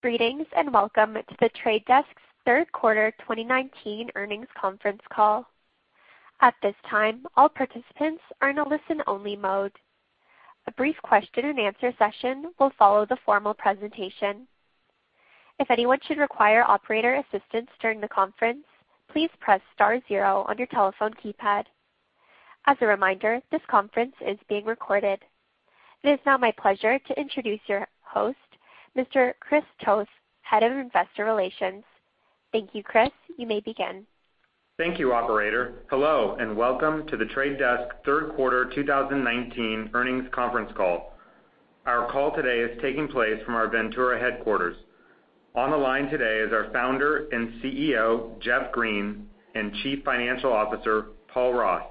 Greetings, and welcome to The Trade Desk's third quarter 2019 earnings conference call. At this time, all participants are in a listen-only mode. A brief question and answer session will follow the formal presentation. If anyone should require operator assistance during the conference, please press star zero on your telephone keypad. As a reminder, this conference is being recorded. It is now my pleasure to introduce your host, Mr. Chris Toth, Head of Investor Relations. Thank you, Chris. You may begin. Thank you, Operator. Hello, welcome to The Trade Desk third quarter 2019 earnings conference call. Our call today is taking place from our Ventura headquarters. On the line today is our Founder and CEO, Jeff Green, and Chief Financial Officer, Paul Ross.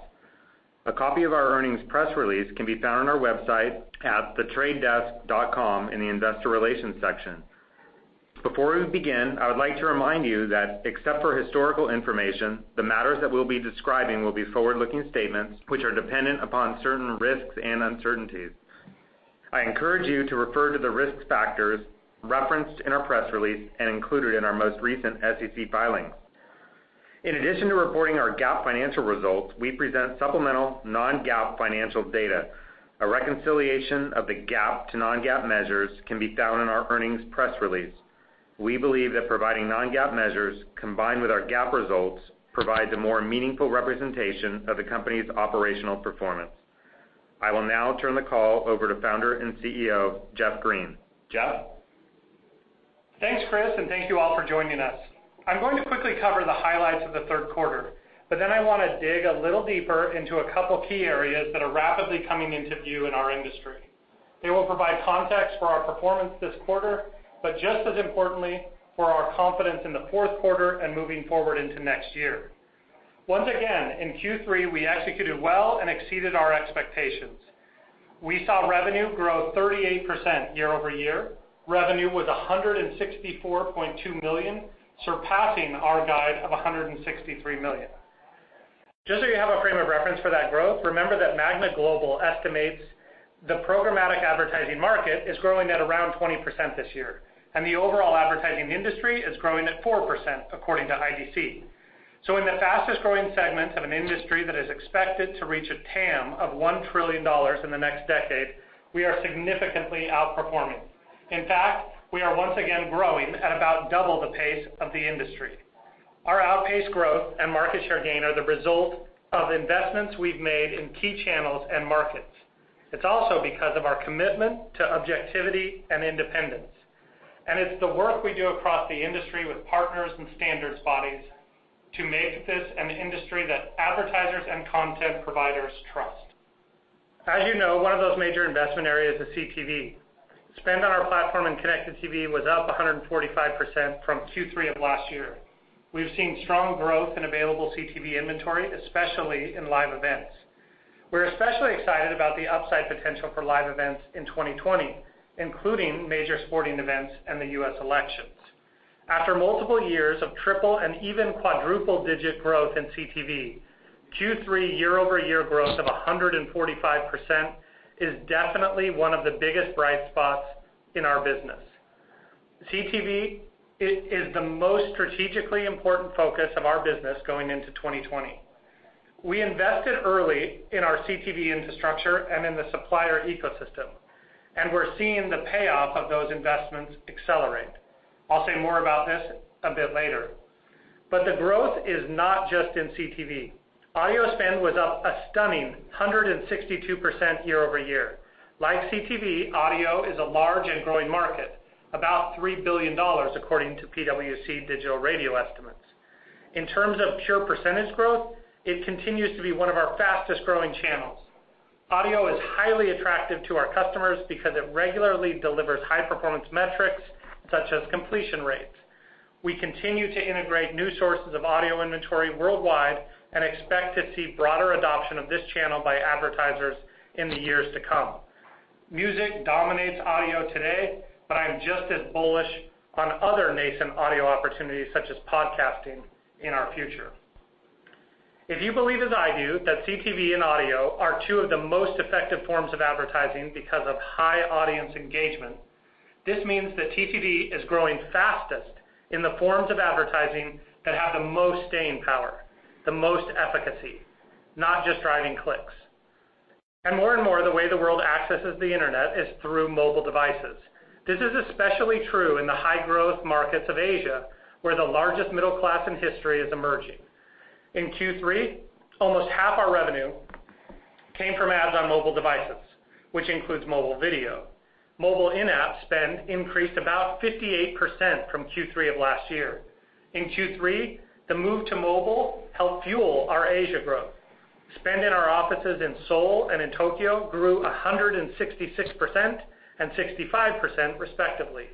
A copy of our earnings press release can be found on our website at thetradedesk.com in the Investor Relations section. Before we begin, I would like to remind you that except for historical information, the matters that we will be describing will be forward-looking statements which are dependent upon certain risks and uncertainties. I encourage you to refer to the risk factors referenced in our press release and included in our most recent SEC filings. In addition to reporting our GAAP financial results, we present supplemental non-GAAP financial data. A reconciliation of the GAAP to non-GAAP measures can be found in our earnings press release. We believe that providing non-GAAP measures combined with our GAAP results provides a more meaningful representation of the company's operational performance. I will now turn the call over to Founder and CEO, Jeff Green. Jeff? Thanks, Chris. Thank you all for joining us. I'm going to quickly cover the highlights of the third quarter. Then I wanna dig a little deeper into a couple key areas that are rapidly coming into view in our industry. It will provide context for our performance this quarter, just as importantly, for our confidence in the fourth quarter and moving forward into next year. Once again, in Q3, we executed well and exceeded our expectations. We saw revenue grow 38% year-over-year. Revenue was $164.2 million, surpassing our guide of $163 million. Just so you have a frame of reference for that growth, remember that Magna Global estimates the programmatic advertising market is growing at around 20% this year. The overall advertising industry is growing at 4% according to IDC. In the fastest-growing segment of an industry that is expected to reach a TAM of $1 trillion in the next decade, we are significantly outperforming. In fact, we are once again growing at about double the pace of the industry. Our outpaced growth and market share gain are the result of investments we've made in key channels and markets. It's also because of our commitment to objectivity and independence, and it's the work we do across the industry with partners and standards bodies to make this an industry that advertisers and content providers trust. As you know, one of those major investment areas is CTV. Spend on our platform in Connected TV was up 145% from Q3 of last year. We've seen strong growth in available CTV inventory, especially in live events. We're especially excited about the upside potential for live events in 2020, including major sporting events and the U.S. elections. After multiple years of triple and even quadruple-digit growth in CTV, Q3 year-over-year growth of 145% is definitely one of the biggest bright spots in our business. CTV is the most strategically important focus of our business going into 2020. We invested early in our CTV infrastructure and in the supplier ecosystem, and we're seeing the payoff of those investments accelerate. I'll say more about this a bit later. The growth is not just in CTV. Audio spend was up a stunning 162% year-over-year. Like CTV, audio is a large and growing market, about $3 billion according to PwC digital radio estimates. In terms of pure percentage growth, it continues to be one of our fastest-growing channels. Audio is highly attractive to our customers because it regularly delivers high-performance metrics such as completion rates. We continue to integrate new sources of audio inventory worldwide and expect to see broader adoption of this channel by advertisers in the years to come. Music dominates audio today, but I'm just as bullish on other nascent audio opportunities such as podcasting in our future. If you believe as I do that CTV and audio are two of the most effective forms of advertising because of high audience engagement, this means that TTD is growing fastest in the forms of advertising that have the most staying power, the most efficacy, not just driving clicks. More and more, the way the world accesses the Internet is through mobile devices. This is especially true in the high-growth markets of Asia, where the largest middle class in history is emerging. In Q3, almost half our revenue came from ads on mobile devices, which includes mobile video. Mobile in-app spend increased about 58% from Q3 of last year. In Q3, the move to mobile helped fuel our Asia growth. Spend in our offices in Seoul and in Tokyo grew 166% and 65% respectively.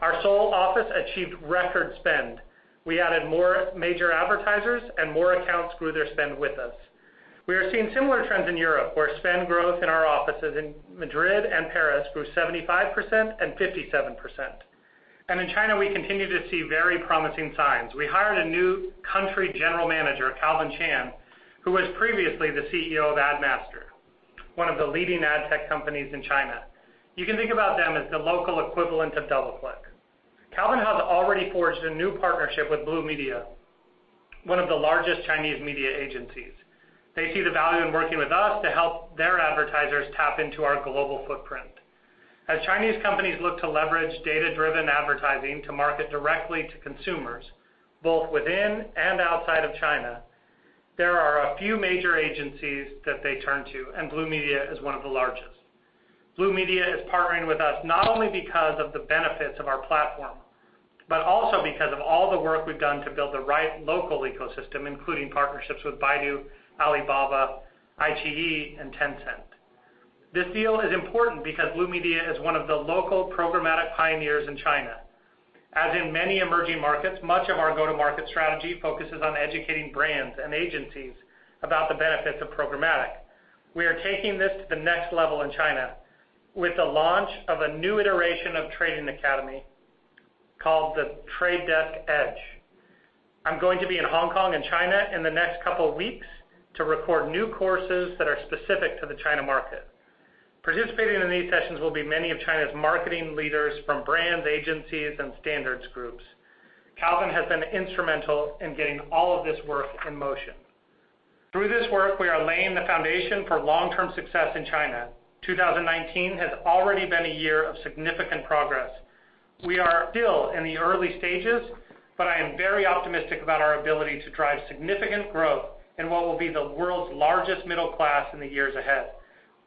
Our Seoul office achieved record spend. We added more major advertisers and more accounts grew their spend with us. We are seeing similar trends in Europe, where spend growth in our offices in Madrid and Paris grew 75% and 57%. In China, we continue to see very promising signs. We hired a new Country General Manager, Calvin Chan, who was previously the CEO of AdMaster, one of the leading ad tech companies in China. You can think about them as the local equivalent of DoubleClick. Calvin has already forged a new partnership with BlueMedia, one of the largest Chinese media agencies. They see the value in working with us to help their advertisers tap into our global footprint. As Chinese companies look to leverage data-driven advertising to market directly to consumers, both within and outside of China, there are a few major agencies that they turn to, and BlueMedia is one of the largest. BlueMedia is partnering with us not only because of the benefits of our platform, but also because of all the work we've done to build the right local ecosystem, including partnerships with Baidu, Alibaba, iQIYI, and Tencent. This deal is important because BlueMedia is one of the local programmatic pioneers in China. As in many emerging markets, much of our go-to-market strategy focuses on educating brands and agencies about the benefits of programmatic. We are taking this to the next level in China with the launch of a new iteration of Trading Academy called The Trade Desk Edge. I'm going to be in Hong Kong and China in the next couple of weeks to record new courses that are specific to the China market. Participating in these sessions will be many of China's marketing leaders from brands, agencies, and standards groups. Calvin has been instrumental in getting all of this work in motion. Through this work, we are laying the foundation for long-term success in China. 2019 has already been a year of significant progress. We are still in the early stages, but I am very optimistic about our ability to drive significant growth in what will be the world's largest middle class in the years ahead.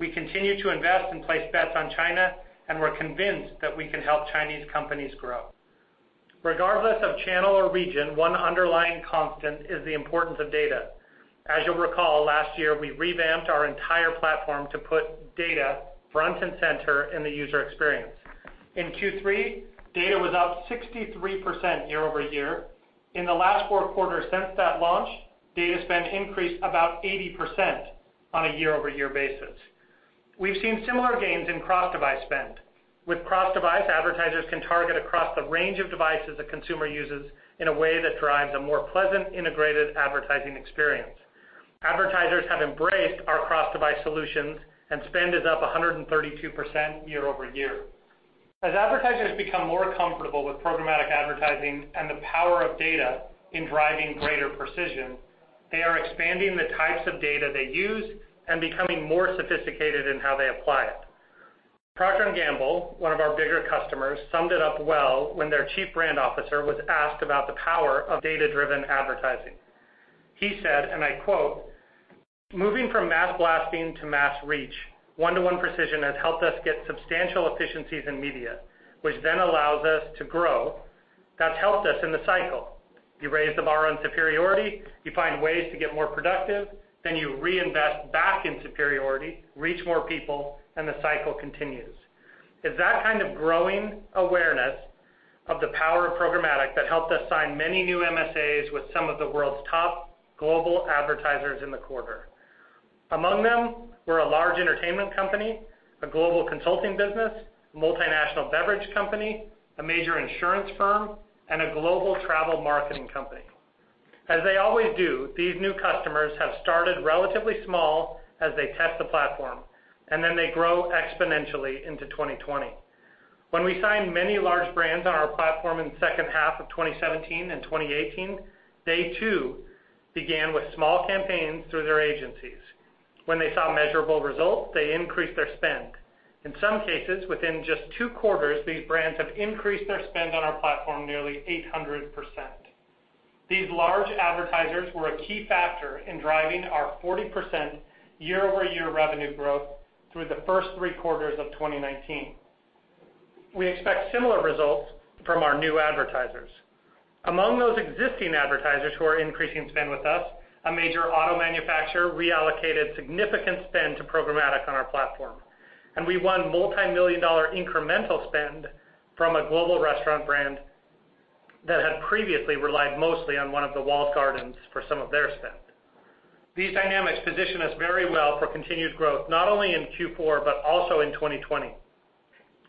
We continue to invest and place bets on China, we're convinced that we can help Chinese companies grow. Regardless of channel or region, one underlying constant is the importance of data. As you'll recall, last year, we revamped our entire platform to put data front and center in the user experience. In Q3, data was up 63% year-over-year. In the last four quarters since that launch, data spend increased about 80% on a year-over-year basis. We've seen similar gains in cross-device spend. With cross-device, advertisers can target across the range of devices a consumer uses in a way that drives a more pleasant, integrated advertising experience. Advertisers have embraced our cross-device solutions, spend is up 132% year-over-year. As advertisers become more comfortable with programmatic advertising and the power of data in driving greater precision, they are expanding the types of data they use and becoming more sophisticated in how they apply it. Procter & Gamble, one of our bigger customers, summed it up well when their Chief Brand Officer was asked about the power of data-driven advertising. He said, and I quote, "Moving from mass blasting to mass reach, one-to-one precision has helped us get substantial efficiencies in media, which then allows us to grow. That's helped us in the cycle. You raise the bar on superiority, you find ways to get more productive, then you reinvest back in superiority, reach more people, and the cycle continues." It's that kind of growing awareness of the power of programmatic that helped us sign many new MSAs with some of the world's top global advertisers in the quarter. Among them were a large entertainment company, a global consulting business, multinational beverage company, a major insurance firm, and a global travel marketing company. As they always do, these new customers have started relatively small as they test the platform, and then they grow exponentially into 2020. When we signed many large brands on our platform in second half of 2017 and 2018, they too began with small campaigns through their agencies. When they saw measurable results, they increased their spend. In some cases, within just two quarters, these brands have increased their spend on our platform nearly 800%. These large advertisers were a key factor in driving our 40% year-over-year revenue growth through the first three quarters of 2019. We expect similar results from our new advertisers. Among those existing advertisers who are increasing spend with us, a major auto manufacturer reallocated significant spend to programmatic on our platform, and we won multi-million-dollar incremental spend from a global restaurant brand that had previously relied mostly on one of the walled gardens for some of their spend. These dynamics position us very well for continued growth, not only in Q4, but also in 2020.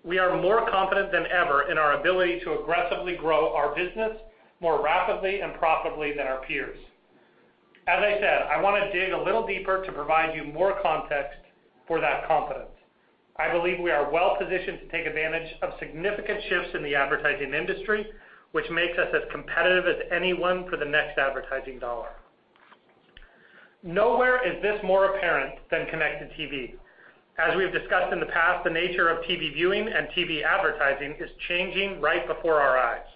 We are more confident than ever in our ability to aggressively grow our business more rapidly and profitably than our peers. As I said, I wanna dig a little deeper to provide you more context for that confidence. I believe we are well-positioned to take advantage of significant shifts in the advertising industry, which makes us as competitive as anyone for the next advertising dollar. Nowhere is this more apparent than Connected TV. As we have discussed in the past, the nature of TV viewing and TV advertising is changing right before our eyes.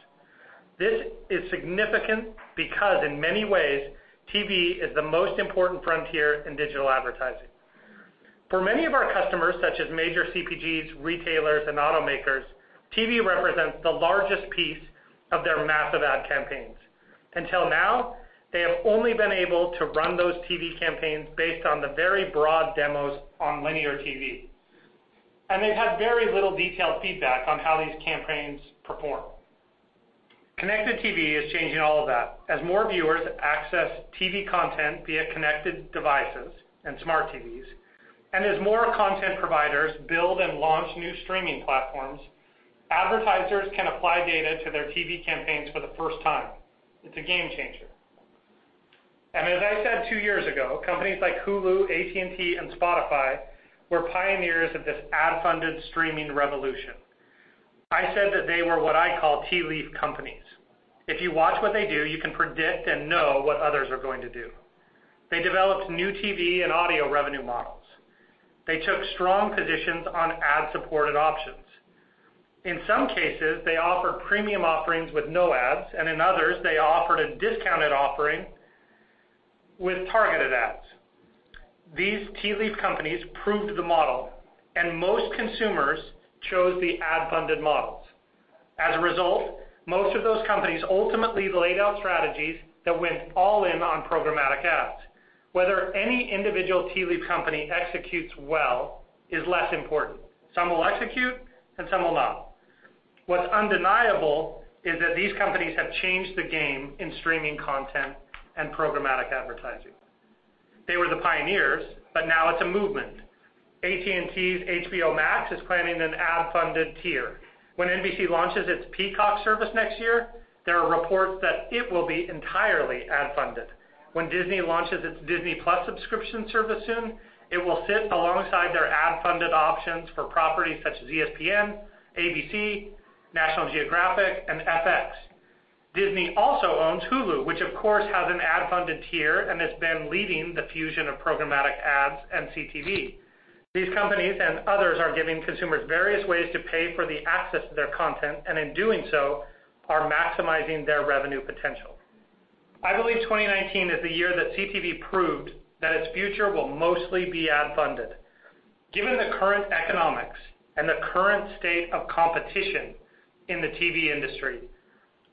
This is significant because in many ways, TV is the most important frontier in digital advertising. For many of our customers, such as major CPGs, retailers, and automakers, TV represents the largest piece of their massive ad campaigns. Until now, they have only been able to run those TV campaigns based on the very broad demos on linear TV. They've had very little detailed feedback on how these campaigns perform. Connected TV is changing all of that. As more viewers access TV content via connected devices and smart TVs, and as more content providers build and launch new streaming platforms, advertisers can apply data to their TV campaigns for the first time. It's a game changer. As I said two years ago, companies like Hulu, AT&T, and Spotify were pioneers of this ad-funded streaming revolution. I said that they were what I call tea leaf companies. If you watch what they do, you can predict and know what others are going to do. They developed new TV and audio revenue models. They took strong positions on ad-supported options. In some cases, they offered premium offerings with no ads, and in others, they offered a discounted offering with targeted ads. These tea leaf companies proved the model, and most consumers chose the ad-funded models. As a result, most of those companies ultimately laid out strategies that went all in on programmatic ads. Whether any individual tea leaf company executes well is less important. Some will execute, and some will not. What's undeniable is that these companies have changed the game in streaming content and programmatic advertising. They were the pioneers, but now it's a movement. AT&T's HBO Max is planning an ad-funded tier. When NBC launches its Peacock service next year, there are reports that it will be entirely ad-funded. When Disney launches its Disney+ subscription service soon, it will sit alongside their ad-funded options for properties such as ESPN, ABC, National Geographic, and FX. Disney also owns Hulu, which of course has an ad-funded tier and has been leading the fusion of programmatic ads and CTV. These companies and others are giving consumers various ways to pay for the access to their content, and in doing so, are maximizing their revenue potential. I believe 2019 is the year that CTV proved that its future will mostly be ad-funded. Given the current economics and the current state of competition in the TV industry,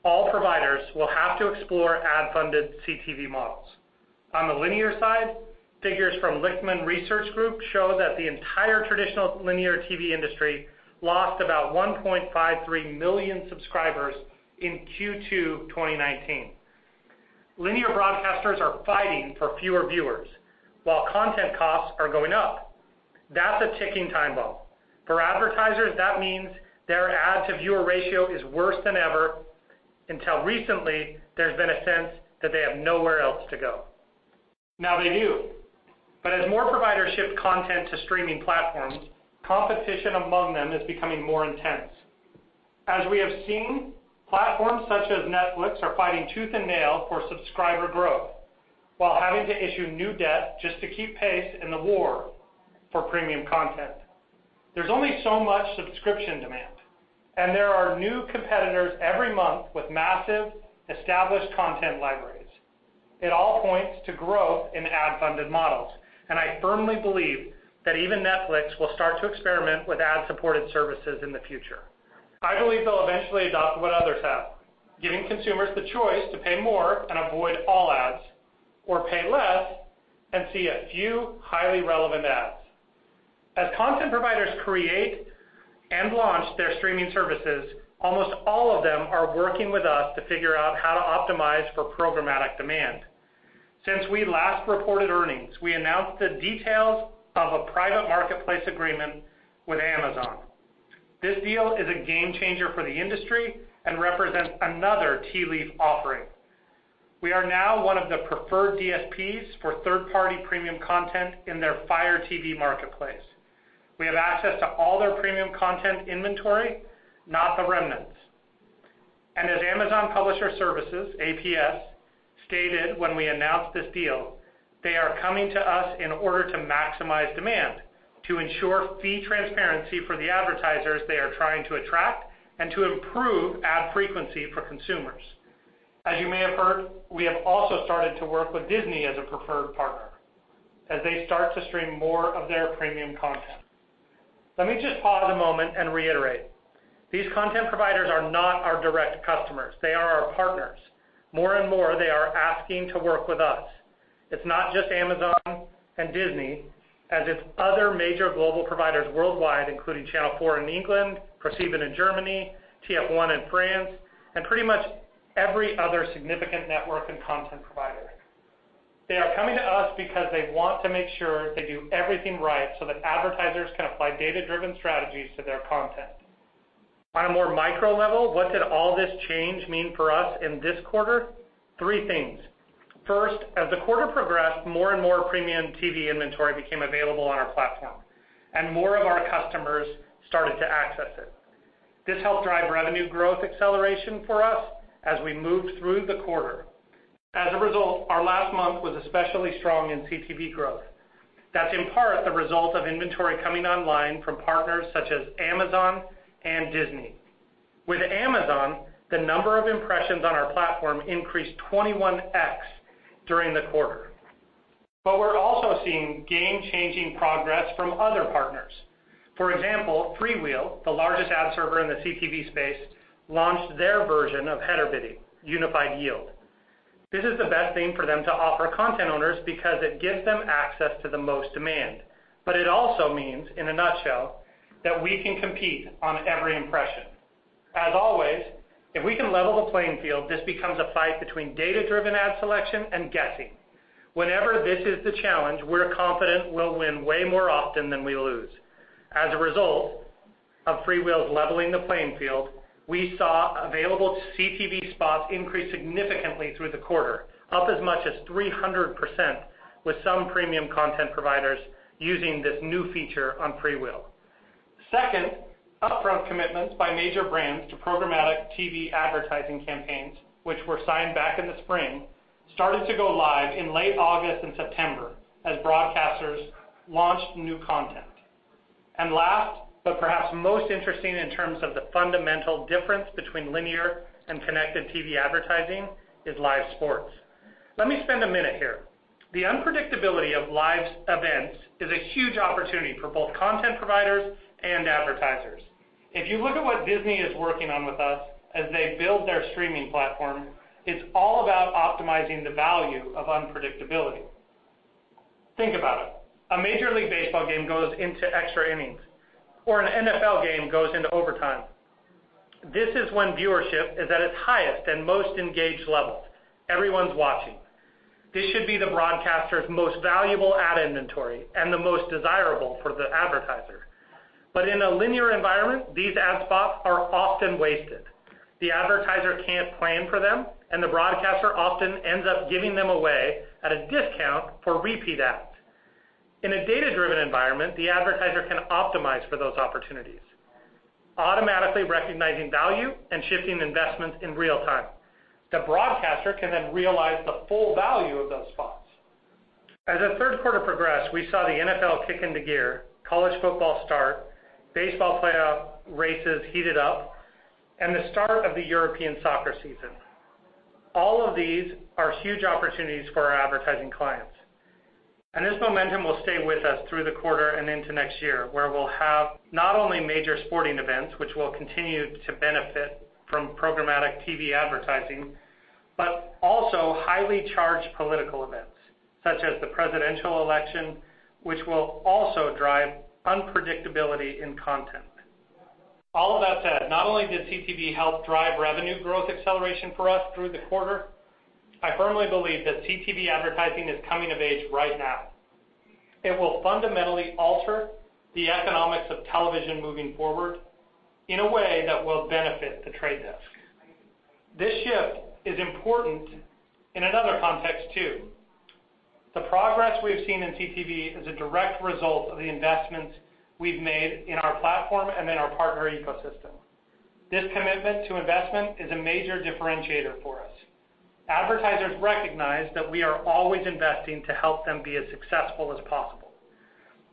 all providers will have to explore ad-funded CTV models. On the linear side, figures from Leichtman Research Group show that the entire traditional linear TV industry lost about 1.53 million subscribers in Q2 2019. Linear broadcasters are fighting for fewer viewers while content costs are going up. That's a ticking time bomb. For advertisers, that means their ad-to-viewer ratio is worse than ever. Until recently, there's been a sense that they have nowhere else to go. Now they do. As more providers shift content to streaming platforms, competition among them is becoming more intense. As we have seen, platforms such as Netflix are fighting tooth and nail for subscriber growth while having to issue new debt just to keep pace in the war for premium content. There's only so much subscription demand, and there are new competitors every month with massive established content libraries. It all points to growth in ad-funded models, and I firmly believe that even Netflix will start to experiment with ad-supported services in the future. I believe they'll eventually adopt what others have, giving consumers the choice to pay more and avoid all ads or pay less and see a few highly relevant ads. As content providers create and launch their streaming services, almost all of them are working with us to figure out how to optimize for programmatic demand. Since we last reported earnings, we announced the details of a private marketplace agreement with Amazon. This deal is a game-changer for the industry and represents another tea leaf offering. We are now one of the preferred DSPs for third-party premium content in their Fire TV marketplace. We have access to all their premium content inventory, not the remnants. As Amazon Publisher Services, APS, stated when we announced this deal, they are coming to us in order to maximize demand, to ensure fee transparency for the advertisers they are trying to attract, and to improve ad frequency for consumers. As you may have heard, we have also started to work with Disney as a preferred partner as they start to stream more of their premium content. Let me just pause a moment and reiterate, these content providers are not our direct customers. They are our partners. More and more, they are asking to work with us. It's not just Amazon and Disney, as it's other major global providers worldwide, including Channel 4 in England, ProSieben in Germany, TF1 in France, and pretty much every other significant network and content provider. They are coming to us because they want to make sure they do everything right so that advertisers can apply data-driven strategies to their content. On a more micro level, what did all this change mean for us in this quarter? Three things. First, as the quarter progressed, more and more premium TV inventory became available on our platform, and more of our customers started to access it. This helped drive revenue growth acceleration for us as we moved through the quarter. As a result, our last month was especially strong in CTV growth. That's in part the result of inventory coming online from partners such as Amazon and Disney. With Amazon, the number of impressions on our platform increased 21x during the quarter. We're also seeing game-changing progress from other partners. For example, FreeWheel, the largest ad server in the CTV space, launched their version of header bidding, Unified Yield. This is the best thing for them to offer content owners because it gives them access to the most demand. It also means, in a nutshell, that we can compete on every impression. As always, if we can level the playing field, this becomes a fight between data-driven ad selection and guessing. Whenever this is the challenge, we're confident we'll win way more often than we lose. As a result of FreeWheel's leveling the playing field, we saw available CTV spots increase significantly through the quarter, up as much as 300%, with some premium content providers using this new feature on FreeWheel. Second, upfront commitments by major brands to programmatic TV advertising campaigns, which were signed back in the spring, started to go live in late August and September as broadcasters launched new content. Last, but perhaps most interesting in terms of the fundamental difference between linear and Connected TV advertising, is live sports. Let me spend a minute here. The unpredictability of live events is a huge opportunity for both content providers and advertisers. If you look at what Disney is working on with us as they build their streaming platform, it's all about optimizing the value of unpredictability. Think about it. A Major League Baseball game goes into extra innings, or an NFL game goes into overtime. This is when viewership is at its highest and most engaged level. Everyone's watching. This should be the broadcaster's most valuable ad inventory and the most desirable for the advertiser. In a linear environment, these ad spots are often wasted. The advertiser can't plan for them, and the broadcaster often ends up giving them away at a discount for repeat ads. In a data-driven environment, the advertiser can optimize for those opportunities, automatically recognizing value and shifting investments in real time. The broadcaster can then realize the full value of those spots. As the third quarter progressed, we saw the NFL kick into gear, college football start, baseball playoff races heated up, and the start of the European soccer season. All of these are huge opportunities for our advertising clients, and this momentum will stay with us through the quarter and into next year, where we'll have not only major sporting events, which will continue to benefit from programmatic TV advertising, but also highly charged political events, such as the presidential election, which will also drive unpredictability in content. All of that said, not only did CTV help drive revenue growth acceleration for us through the quarter, I firmly believe that CTV advertising is coming of age right now. It will fundamentally alter the economics of television moving forward in a way that will benefit The Trade Desk. This shift is important in another context too. The progress we've seen in CTV is a direct result of the investments we've made in our platform and in our partner ecosystem. This commitment to investment is a major differentiator for us. Advertisers recognize that we are always investing to help them be as successful as possible.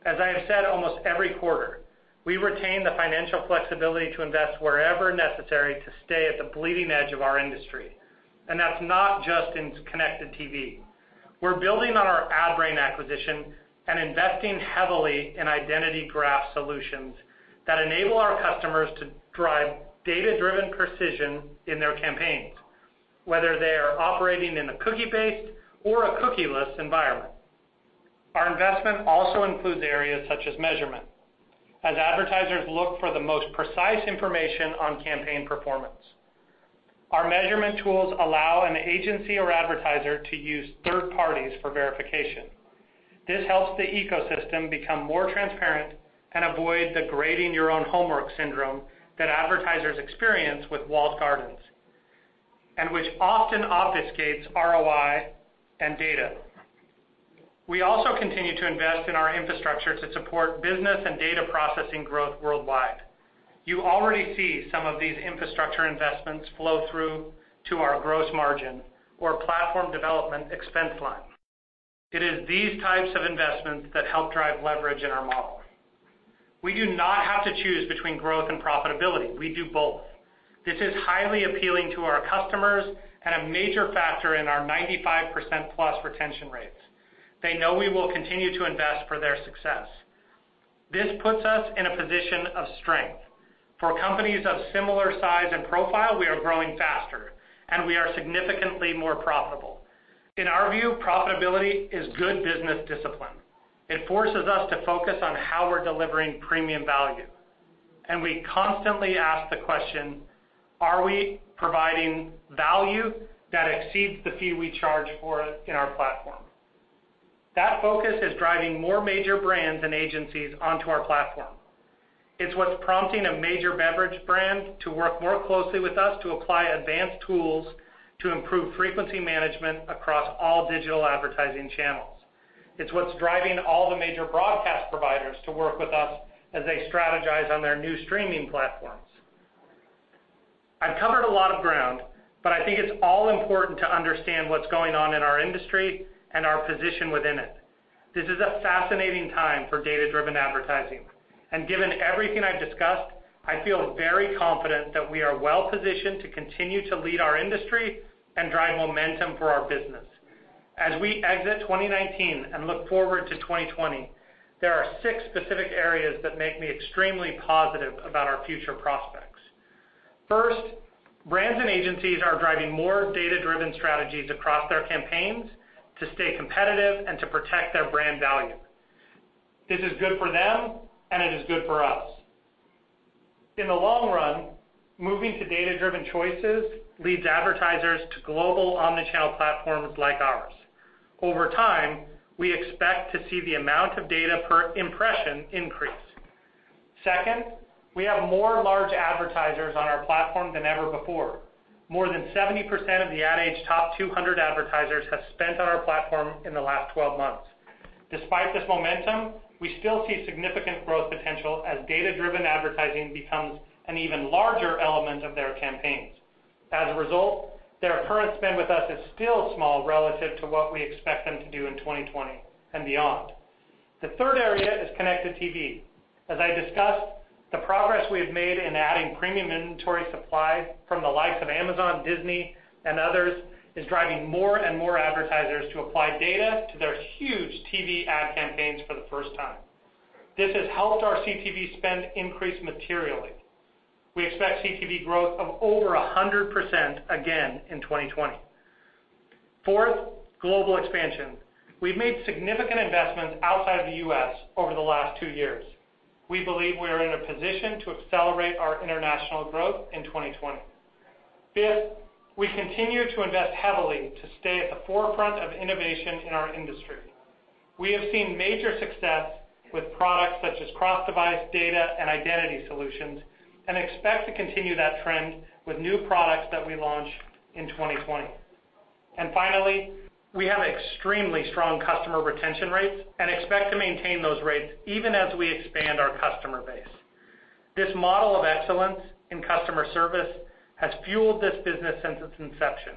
As I have said almost every quarter, we retain the financial flexibility to invest wherever necessary to stay at the bleeding edge of our industry, and that's not just in Connected TV. We're building on our Adbrain acquisition and investing heavily in identity graph solutions that enable our customers to drive data-driven precision in their campaigns, whether they are operating in a cookie-based or a cookie-less environment. Our investment also includes areas such as measurement as advertisers look for the most precise information on campaign performance. Our measurement tools allow an agency or advertiser to use third parties for verification. This helps the ecosystem become more transparent and avoid the grading your own homework syndrome that advertisers experience with walled gardens, and which often obfuscates ROI and data. We also continue to invest in our infrastructure to support business and data processing growth worldwide. You already see some of these infrastructure investments flow through to our gross margin or platform development expense line. It is these types of investments that help drive leverage in our model. We do not have to choose between growth and profitability. We do both. This is highly appealing to our customers and a major factor in our 95%+ retention rates. They know we will continue to invest for their success. This puts us in a position of strength. For companies of similar size and profile, we are growing faster, and we are significantly more profitable. In our view, profitability is good business discipline. It forces us to focus on how we're delivering premium value, and we constantly ask the question: Are we providing value that exceeds the fee we charge for in our platform? That focus is driving more major brands and agencies onto our platform. It's what's prompting a major beverage brand to work more closely with us to apply advanced tools to improve frequency management across all digital advertising channels. It's what's driving all the major broadcast providers to work with us as they strategize on their new streaming platforms. I've covered a lot of ground, but I think it's all important to understand what's going on in our industry and our position within it. Given everything I've discussed, I feel very confident that we are well-positioned to continue to lead our industry and drive momentum for our business. As we exit 2019 and look forward to 2020, there are six specific areas that make me extremely positive about our future prospects. First, brands and agencies are driving more data-driven strategies across their campaigns to stay competitive and to protect their brand value. This is good for them, and it is good for us. In the long run, moving to data-driven choices leads advertisers to global omni-channel platforms like ours. Over time, we expect to see the amount of data per impression increase. Second, we have more large advertisers on our platform than ever before. More than 70% of the Ad Age top 200 advertisers have spent on our platform in the last 12 months. Despite this momentum, we still see significant growth potential as data-driven advertising becomes an even larger element of their campaigns. As a result, their current spend with us is still small relative to what we expect them to do in 2020 and beyond. The third area is Connected TV. As I discussed, the progress we have made in adding premium inventory supply from the likes of Amazon, Disney, and others is driving more and more advertisers to apply data to their huge TV ad campaigns for the first time. This has helped our CTV spend increase materially. We expect CTV growth of over 100% again in 2020. Fourth, global expansion. We've made significant investments outside of the U.S. over the last two years. We believe we're in a position to accelerate our international growth in 2020. Fifth, we continue to invest heavily to stay at the forefront of innovation in our industry. We have seen major success with products such as cross-device data and identity solutions, and expect to continue that trend with new products that we launch in 2020. Finally, we have extremely strong customer retention rates and expect to maintain those rates even as we expand our customer base. This model of excellence in customer service has fueled this business since its inception.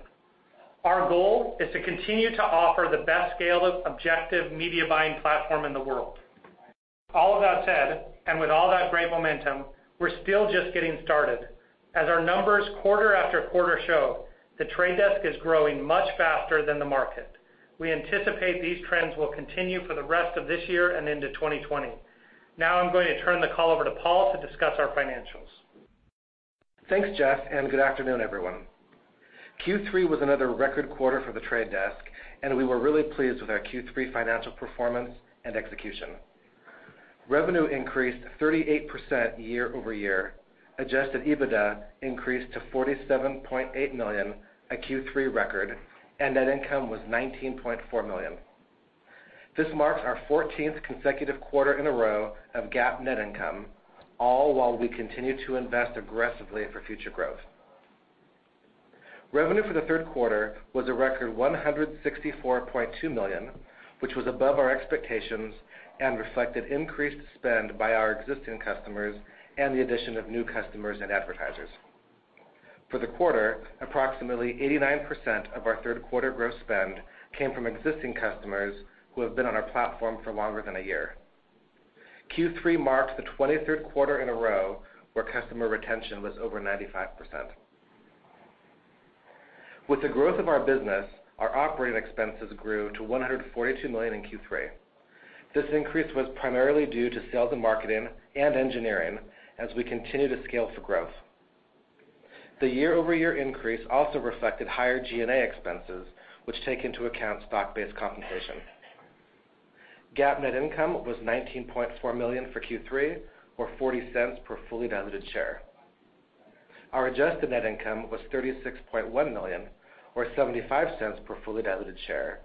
Our goal is to continue to offer the best scaled, objective media buying platform in the world. All of that said, and with all that great momentum, we're still just getting started. Our numbers quarter after quarter show, The Trade Desk is growing much faster than the market. We anticipate these trends will continue for the rest of this year and into 2020. I'm going to turn the call over to Paul to discuss our financials. Thanks, Jeff. Good afternoon, everyone. Q3 was another record quarter for The Trade Desk, and we were really pleased with our Q3 financial performance and execution. Revenue increased 38% year-over-year. Adjusted EBITDA increased to $47.8 million, a Q3 record, and net income was $19.4 million. This marks our 14th consecutive quarter in a row of GAAP net income, all while we continue to invest aggressively for future growth. Revenue for the third quarter was a record $164.2 million, which was above our expectations and reflected increased spend by our existing customers and the addition of new customers and advertisers. For the quarter, approximately 89% of our third quarter gross spend came from existing customers who have been on our platform for longer than a year. Q3 marks the 23rd quarter in a row where customer retention was over 95%. With the growth of our business, our operating expenses grew to $142 million in Q3. This increase was primarily due to sales and marketing and engineering as we continue to scale for growth. The year-over-year increase also reflected higher G&A expenses, which take into account stock-based compensation. GAAP net income was $19.4 million for Q3 or $0.40/fully diluted share. Our adjusted net income was $36.1 million or $0.75/fully diluted share,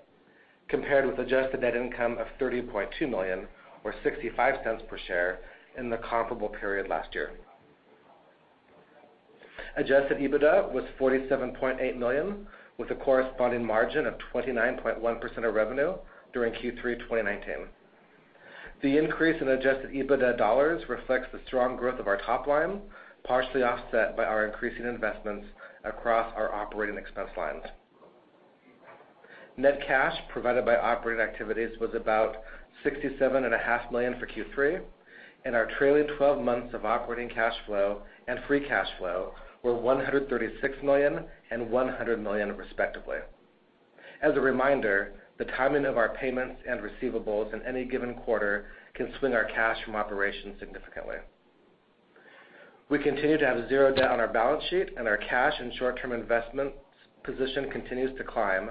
compared with adjusted net income of $30.2 million or $0.65/share in the comparable period last year. Adjusted EBITDA was $47.8 million with a corresponding margin of 29.1% of revenue during Q3 2019. The increase in adjusted EBITDA dollars reflects the strong growth of our top line, partially offset by our increasing investments across our operating expense lines. Net cash provided by operating activities was about $67.5 million for Q3, and our trailing 12 months of operating cash flow and free cash flow were $136 million and $100 million respectively. As a reminder, the timing of our payments and receivables in any given quarter can swing our cash from operations significantly. We continue to have zero debt on our balance sheet, and our cash and short-term investments position continues to climb,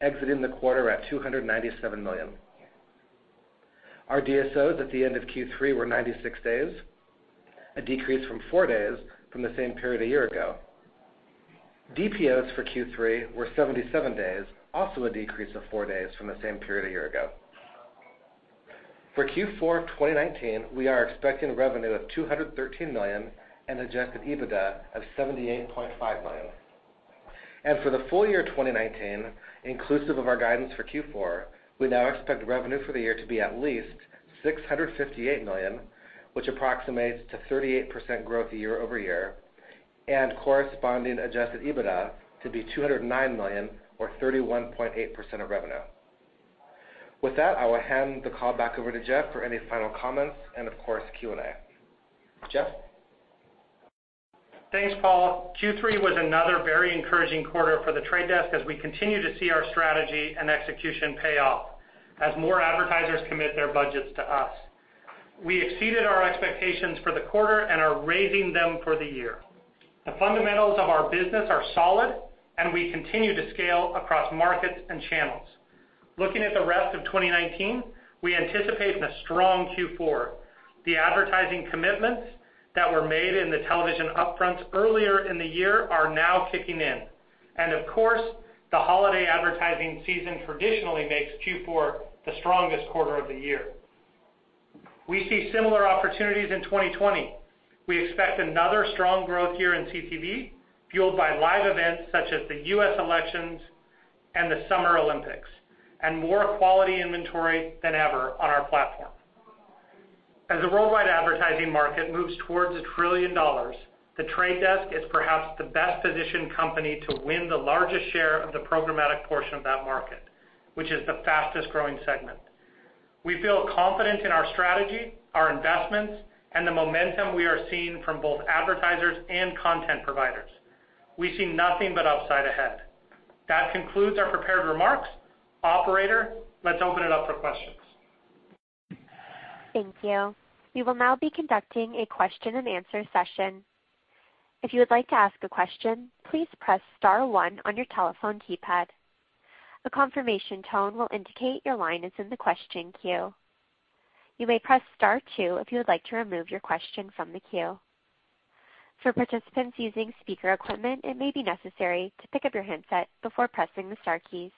exiting the quarter at $297 million. Our DSOs at the end of Q3 were 96 days, a decrease from four days from the same period a year ago. DPOs for Q3 were 77 days, also a decrease of four days from the same period a year ago. For Q4 of 2019, we are expecting revenue of $213 million and adjusted EBITDA of $78.5 million. For the full year 2019, inclusive of our guidance for Q4, we now expect revenue for the year to be at least $658 million, which approximates to 38% growth year-over-year, and corresponding adjusted EBITDA to be $209 million or 31.8% of revenue. With that, I will hand the call back over to Jeff for any final comments, and of course, Q&A. Jeff? Thanks, Paul. Q3 was another very encouraging quarter for The Trade Desk as we continue to see our strategy and execution pay off as more advertisers commit their budgets to us. We exceeded our expectations for the quarter and are raising them for the year. The fundamentals of our business are solid, and we continue to scale across markets and channels. Looking at the rest of 2019, we anticipate a strong Q4. The advertising commitments that were made in the television upfront earlier in the year are now kicking in. Of course, the holiday advertising season traditionally makes Q4 the strongest quarter of the year. We see similar opportunities in 2020. We expect another strong growth year in CTV, fueled by live events such as the U.S. elections and the Summer Olympics, and more quality inventory than ever on our platform. As the worldwide advertising market moves towards $1 trillion, The Trade Desk is perhaps the best-positioned company to win the largest share of the programmatic portion of that market, which is the fastest-growing segment. We feel confident in our strategy, our investments, and the momentum we are seeing from both advertisers and content providers. We see nothing but upside ahead. That concludes our prepared remarks. Operator, let's open it up for questions. Thank you. We will now be conducting a question and answer session. If you would like to ask a question, please press star one on your telephone keypad. A confirmation tone will indicate your line is in the question queue. You may press star two if you would like to remove your question from the queue. For participants using speaker equipment, it may be necessary to pick up your handset before pressing the star keys.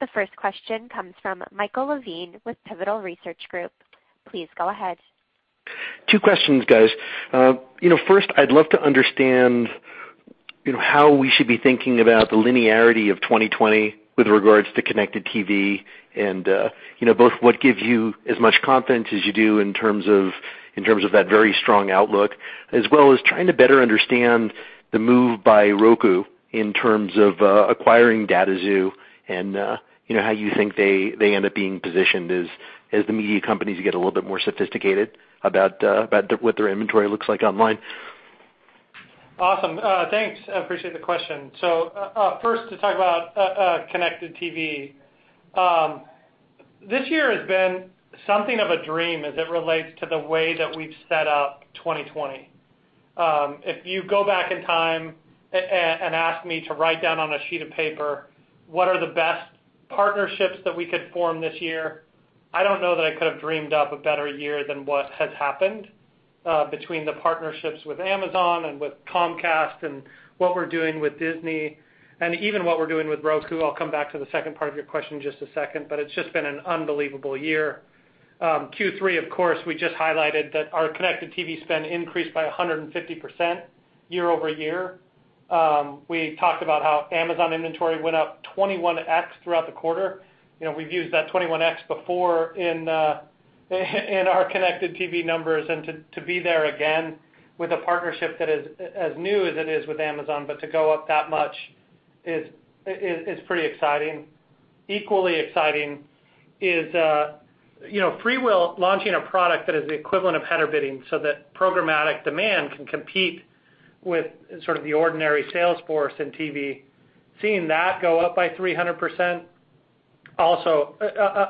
The first question comes from Michael Levine with Pivotal Research Group. Please go ahead. Two questions, guys. You know, first, I'd love to understand, you know, how we should be thinking about the linearity of 2020 with regards to Connected TV and, you know, both what gives you as much confidence as you do in terms of that very strong outlook, as well as trying to better understand the move by Roku in terms of acquiring DataXu and, you know, how you think they end up being positioned as the media companies get a little bit more sophisticated about what their inventory looks like online. Awesome. Thanks. I appreciate the question. First, to talk about Connected TV. This year has been something of a dream as it relates to the way that we've set up 2020. If you go back in time and ask me to write down on a sheet of paper what are the best partnerships that we could form this year, I don't know that I could have dreamed up a better year than what has happened between the partnerships with Amazon and with Comcast and what we're doing with Disney and even what we're doing with Roku. I'll come back to the second part of your question in just a second, but it's just been an unbelievable year. Q3, of course, we just highlighted that our Connected TV spend increased by 150% year-over-year. We talked about how Amazon inventory went up 21x throughout the quarter. You know, we've used that 21x before in our Connected TV numbers. To be there again with a partnership that is as new as it is with Amazon, but to go up that much is pretty exciting. Equally exciting is, you know, FreeWheel launching a product that is the equivalent of header bidding so that programmatic demand can compete with sort of the ordinary sales force in TV. Seeing that go up by 300%, also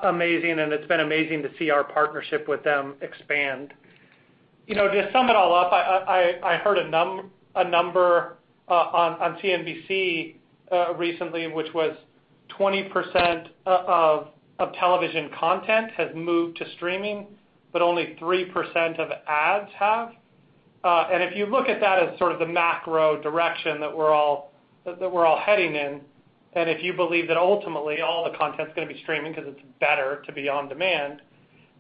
amazing. It's been amazing to see our partnership with them expand. You know, to sum it all up, I heard a number on CNBC recently, which was 20% of television content has moved to streaming, but only 3% of ads have. If you look at that as sort of the macro direction that we're all heading in, and if you believe that ultimately all the content's gonna be streaming because it's better to be on demand,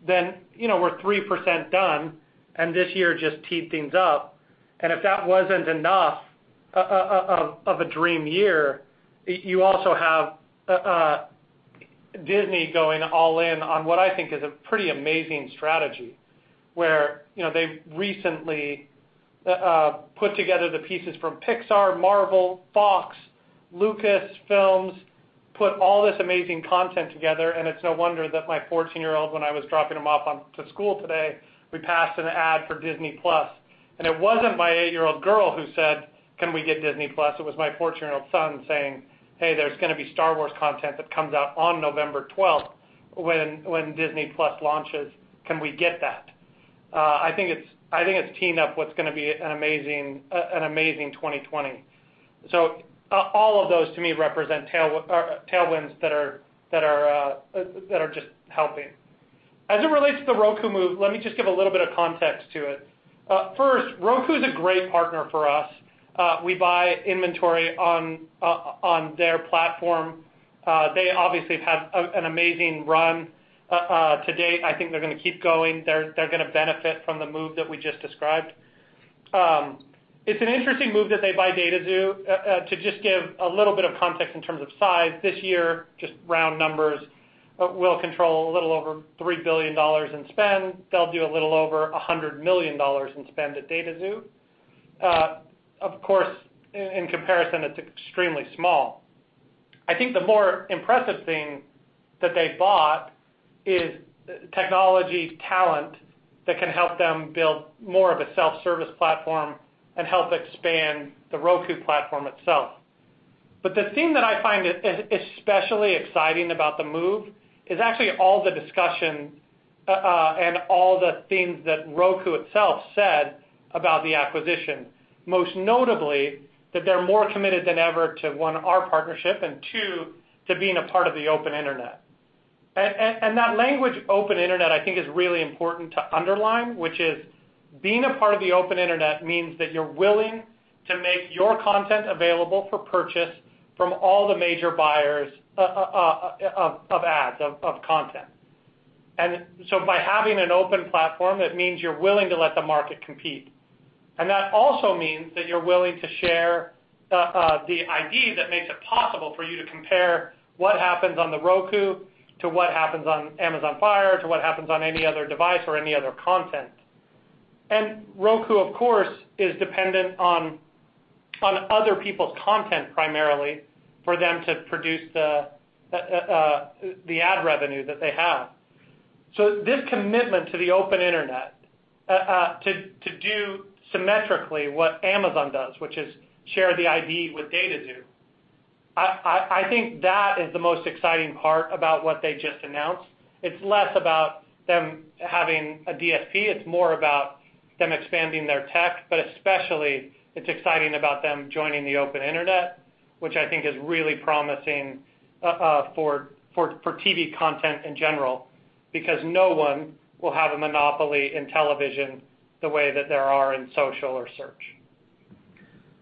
then, you know, we're 3% done, and this year just teed things up. If that wasn't enough of a dream year, you also have Disney going all in on what I think is a pretty amazing strategy. Where, you know, they've recently put together the pieces from Pixar, Marvel, Fox, Lucasfilm, put all this amazing content together, and it's no wonder that my 14-year-old, when I was dropping him off on to school today, we passed an ad for Disney+. It wasn't my eight-year-old girl who said, "Can we get Disney+?" It was my 14-year-old son saying, "Hey, there's gonna be Star Wars content that comes out on November 12th when Disney+ launches. Can we get that?" I think it's, I think it's teeing up what's gonna be an amazing 2020. All of those to me represent tailwinds that are just helping. As it relates to the Roku move, let me just give a little bit of context to it. First, Roku is a great partner for us. We buy inventory on their platform. They obviously have an amazing run to date. I think they're gonna keep going. They're gonna benefit from the move that we just described. It's an interesting move that they buy DataXu. To just give a little bit of context in terms of size, this year, just round numbers, we'll control a little over $3 billion in spend. They'll do a little over $100 million in spend at DataXu. Of course, in comparison, it's extremely small. I think the more impressive thing that they bought is technology talent that can help them build more of a self-service platform and help expand the Roku platform itself. The thing that I find especially exciting about the move is actually all the discussion and all the things that Roku itself said about the acquisition. Most notably, that they're more committed than ever to, one, our partnership, and two, to being a part of the open internet. That language open internet, I think is really important to underline, which is being a part of the open internet means that you're willing to make your content available for purchase from all the major buyers of ads, of content. By having an open platform, it means you're willing to let the market compete. That also means that you're willing to share the ID that makes it possible for you to compare what happens on the Roku to what happens on Amazon Fire, to what happens on any other device or any other content. Roku, of course, is dependent on other people's content primarily for them to produce the ad revenue that they have. This commitment to the open internet, to do symmetrically what Amazon does, which is share the ID with DataXu. I think that is the most exciting part about what they just announced. It's less about them having a DSP. It's more about them expanding their tech. Especially, it's exciting about them joining the open internet, which I think is really promising for TV content in general because no one will have a monopoly in television the way that there are in social or search.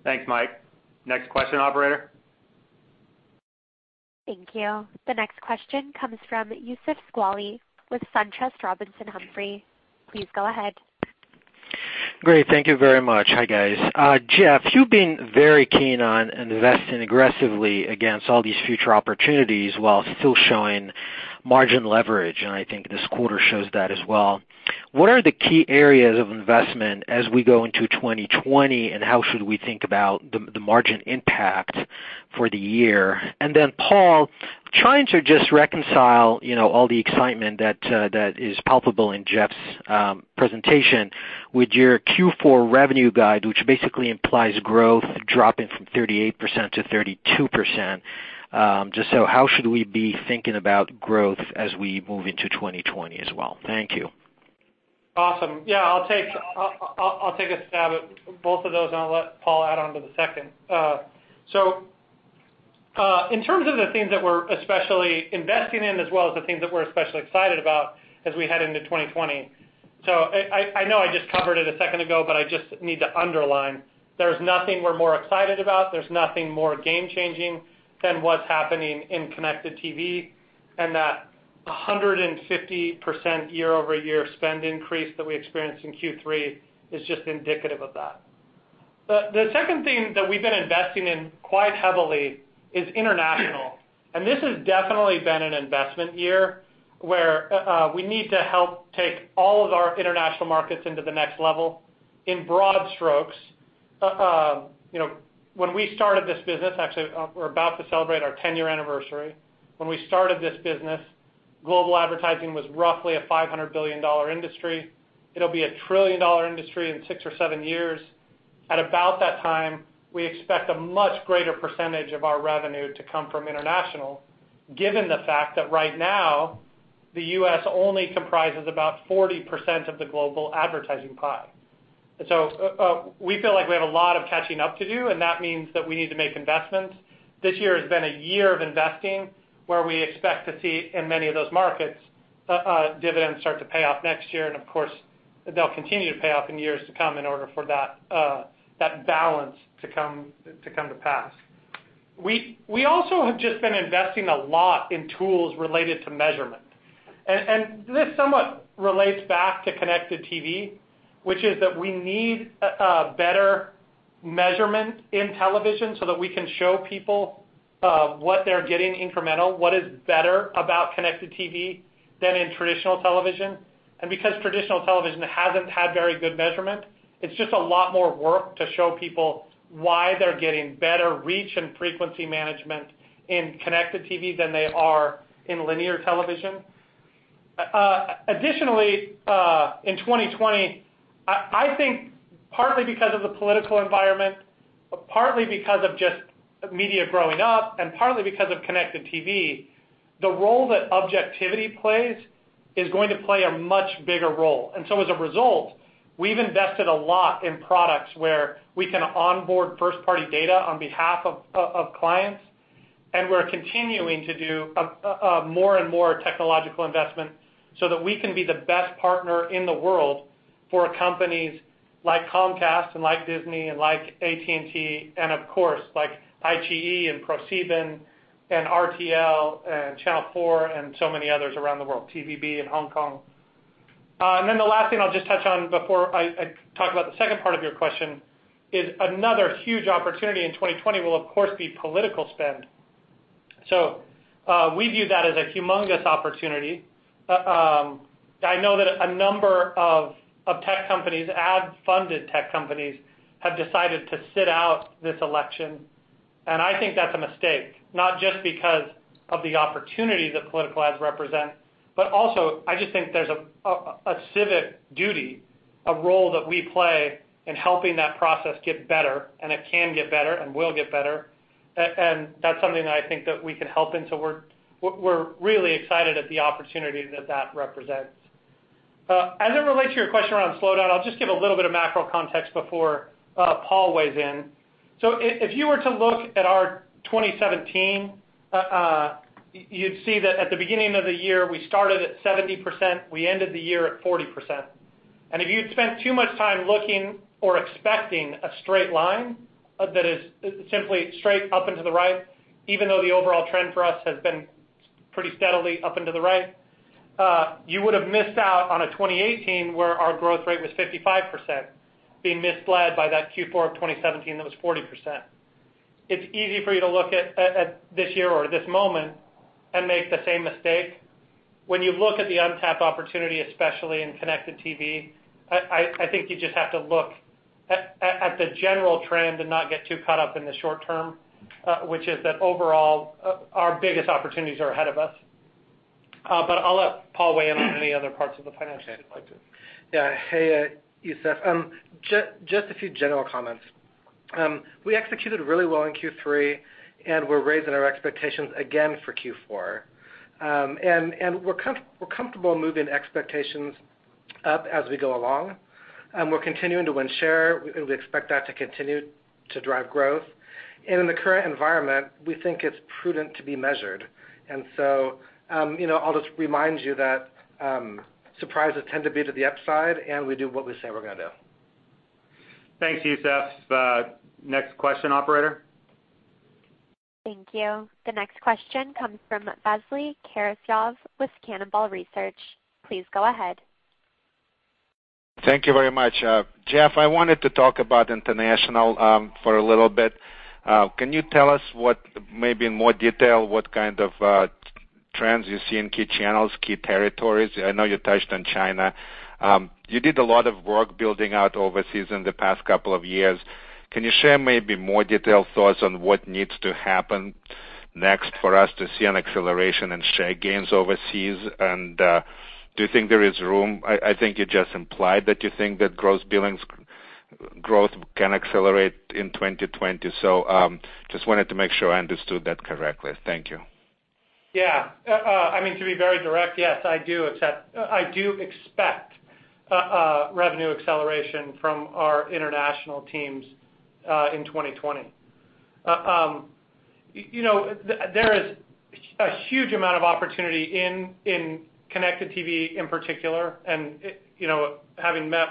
Thanks, Mike. Next question, Operator. Thank you. The next question comes from Youssef Squali with SunTrust Robinson Humphrey. Please go ahead. Great. Thank you very much. Hi guys. Jeff, you've been very keen on investing aggressively against all these future opportunities while still showing margin leverage. I think this quarter shows that as well. What are the key areas of investment as we go into 2020? How should we think about the margin impact for the year? Paul, trying to just reconcile, you know, all the excitement that is palpable in Jeff's presentation with your Q4 revenue guide, which basically implies growth dropping from 38% to 32%. Just how should we be thinking about growth as we move into 2020 as well? Thank you. Awesome. I'll take a stab at both of those, and I'll let Paul add on to the second. In terms of the things that we're especially investing in as well as the things that we're especially excited about as we head into 2020. I know I just covered it a second ago, but I just need to underline there's nothing we're more excited about. There's nothing more game-changing than what's happening in Connected TV and that 150% year-over-year spend increase that we experienced in Q3 is just indicative of that. The second thing that we've been investing in quite heavily is international. This has definitely been an investment year where we need to help take all of our international markets into the next level in broad strokes. You know, when we started this business. Actually, we're about to celebrate our 10-year anniversary. When we started this business, global advertising was roughly a $500 billion industry. It'll be a $1 trillion industry in six or seven years. At about that time, we expect a much greater percentage of our revenue to come from international, given the fact that right now the U.S. only comprises about 40% of the global advertising pie. We feel like we have a lot of catching up to do, and that means that we need to make investments. This year has been a year of investing, where we expect to see in many of those markets, dividends start to pay off next year, and of course, they'll continue to pay off in years to come in order for that balance to come, to come to pass. We also have just been investing a lot in tools related to measurement. This somewhat relates back to Connected TV, which is that we need a better measurement in television so that we can show people what they're getting incremental, what is better about Connected TV than in traditional television. Because traditional television hasn't had very good measurement, it's just a lot more work to show people why they're getting better reach and frequency management in Connected TV than they are in linear television. Additionally, in 2020, I think partly because of the political environment, partly because of just media growing up, and partly because of Connected TV, the role that objectivity plays is going to play a much bigger role. As a result, we've invested a lot in products where we can onboard first-party data on behalf of clients. We're continuing to do a more and more technological investment so that we can be the best partner in the world for companies like Comcast and like Disney and like AT&T and of course like ITV and ProSieben and RTL and Channel 4 and so many others around the world, TVB in Hong Kong. The last thing I'll just touch on before I talk about the second part of your question is another huge opportunity in 2020 will of course be political spend. We view that as a humongous opportunity. I know that a number of tech companies, ad-funded tech companies, have decided to sit out this election. I think that's a mistake, not just because of the opportunity that political ads represent, but also I just think there's a civic duty, a role that we play in helping that process get better, and it can get better and will get better. That's something that I think that we can help in, so we're really excited at the opportunity that that represents. As it relates to your question around slowdown, I'll just give a little bit of macro context before Paul weighs in. If you were to look at our 2017, you'd see that at the beginning of the year, we started at 70%, we ended the year at 40%. If you'd spent too much time looking or expecting a straight line that is simply straight up and to the right, even though the overall trend for us has been pretty steadily up and to the right, you would have missed out on a 2018 where our growth rate was 55% being misled by that Q4 of 2017 that was 40%. It's easy for you to look at this year or this moment and make the same mistake. When you look at the untapped opportunity, especially in Connected TV, I think you just have to look at the general trend and not get too caught up in the short term, which is that overall, our biggest opportunities are ahead of us. I'll let Paul weigh in on any other parts of the financials if you'd like to. Yeah. Hey, Youssef. Just a few general comments. We executed really well in Q3, we're raising our expectations again for Q4. We're comfortable moving expectations up as we go along, we're continuing to win share. We expect that to continue to drive growth. In the current environment, we think it's prudent to be measured. You know, I'll just remind you that surprises tend to be to the upside, we do what we say we're gonna do. Thanks, Youssef. Next question, Operator. Thank you. The next question comes from Vasily Karasyov with Cannonball Research. Please go ahead. Thank you very much. Jeff, I wanted to talk about international for a little bit. Can you tell us what, maybe in more detail, what kind of trends you see in key channels, key territories? I know you touched on China. You did a lot of work building out overseas in the past couple of years. Can you share maybe more detailed thoughts on what needs to happen next for us to see an acceleration in share gains overseas? Do you think there is room? I think you just implied that you think that gross billings growth can accelerate in 2020. Just wanted to make sure I understood that correctly. Thank you. Yeah. I mean, to be very direct, yes, I do expect revenue acceleration from our international teams in 2020. You know, there is a huge amount of opportunity in Connected TV in particular. You know, having met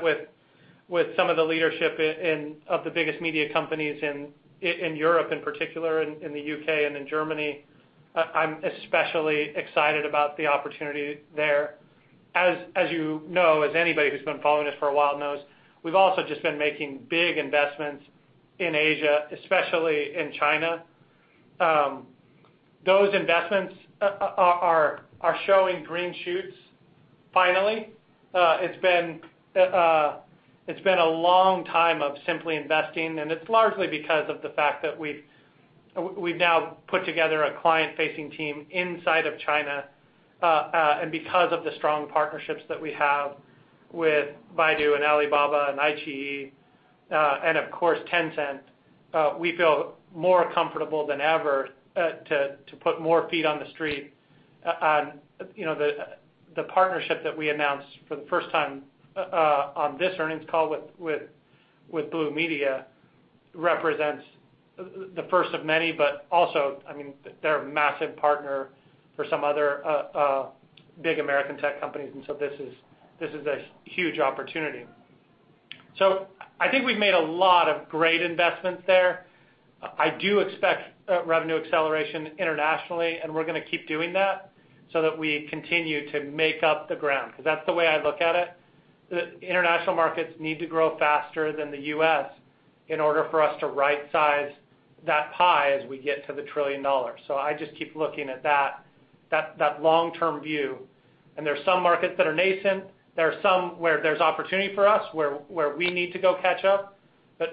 with some of the leadership of the biggest media companies in Europe in particular, in the U.K. and in Germany, I'm especially excited about the opportunity there. As you know, as anybody who's been following us for a while knows, we've also just been making big investments in Asia, especially in China. Those investments are showing green shoots finally. It's been a long time of simply investing, and it's largely because of the fact that we've now put together a client-facing team inside of China, and because of the strong partnerships that we have with Baidu and Alibaba and iQIYI, and of course, Tencent, we feel more comfortable than ever to put more feet on the street. You know, the partnership that we announced for the first time on this earnings call with BlueMedia represents the first of many, but also, I mean, they're a massive partner for some other big American tech companies, and this is a huge opportunity. I think we've made a lot of great investments there. I do expect revenue acceleration internationally. We're gonna keep doing that so that we continue to make up the ground, because that's the way I look at it. The international markets need to grow faster than the U.S. in order for us to rightsize that pie as we get to the $1 trillion. I just keep looking at that long-term view. There are some markets that are nascent. There are some where there's opportunity for us, where we need to go catch up.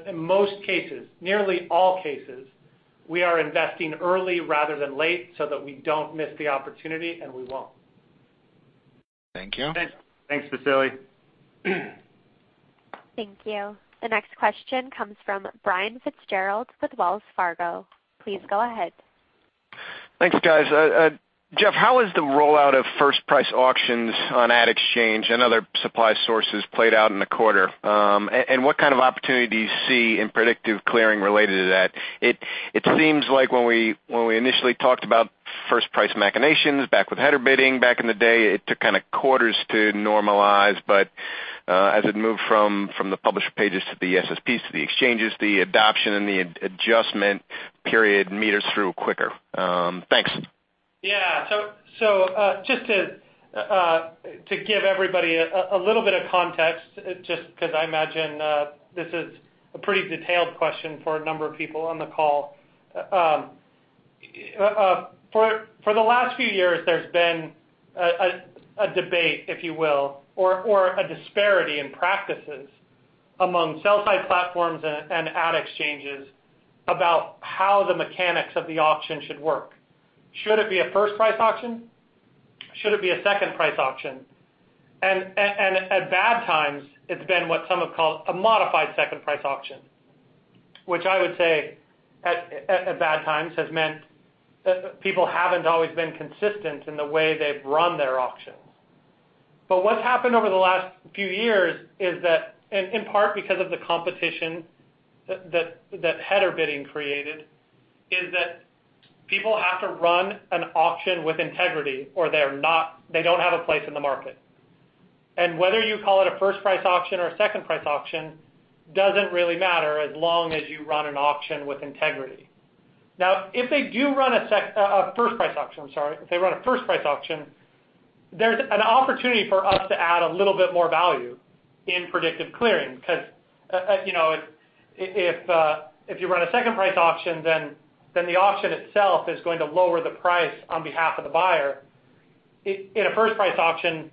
In most cases, nearly all cases, we are investing early rather than late so that we don't miss the opportunity, and we won't. Thank you. Thanks, Vasily. Thank you. The next question comes from Brian Fitzgerald with Wells Fargo. Please go ahead. Thanks, guys. Jeff, how has the rollout of first price auctions on ad exchange and other supply sources played out in the quarter? And what kind of opportunity do you see in predictive clearing related to that? It seems like when we initially talked about first price machinations back with header bidding back in the day, it took kind of quarters to normalize. As it moved from the publisher pages to the SSPs to the exchanges, the adoption and the adjustment period meters through quicker. Thanks. Yeah. Just to give everybody a little bit of context, just because I imagine this is a pretty detailed question for a number of people on the call. For the last few years, there's been a debate, if you will, or a disparity in practices among sell-side platforms and ad exchanges about how the mechanics of the auction should work. Should it be a first price auction? Should it be a second price auction? At bad times, it's been what some have called a modified second price auction, which I would say at bad times has meant people haven't always been consistent in the way they've run their auctions. What's happened over the last few years is that in part because of the competition that header bidding created, people have to run an auction with integrity or they don't have a place in the market. Whether you call it a first price auction or a second price auction doesn't really matter as long as you run an auction with integrity. If they do run a first price auction, I'm sorry, if they run a first price auction, there's an opportunity for us to add a little bit more value in predictive clearing because, you know, if you run a second price auction, then the auction itself is going to lower the price on behalf of the buyer. In a first price auction,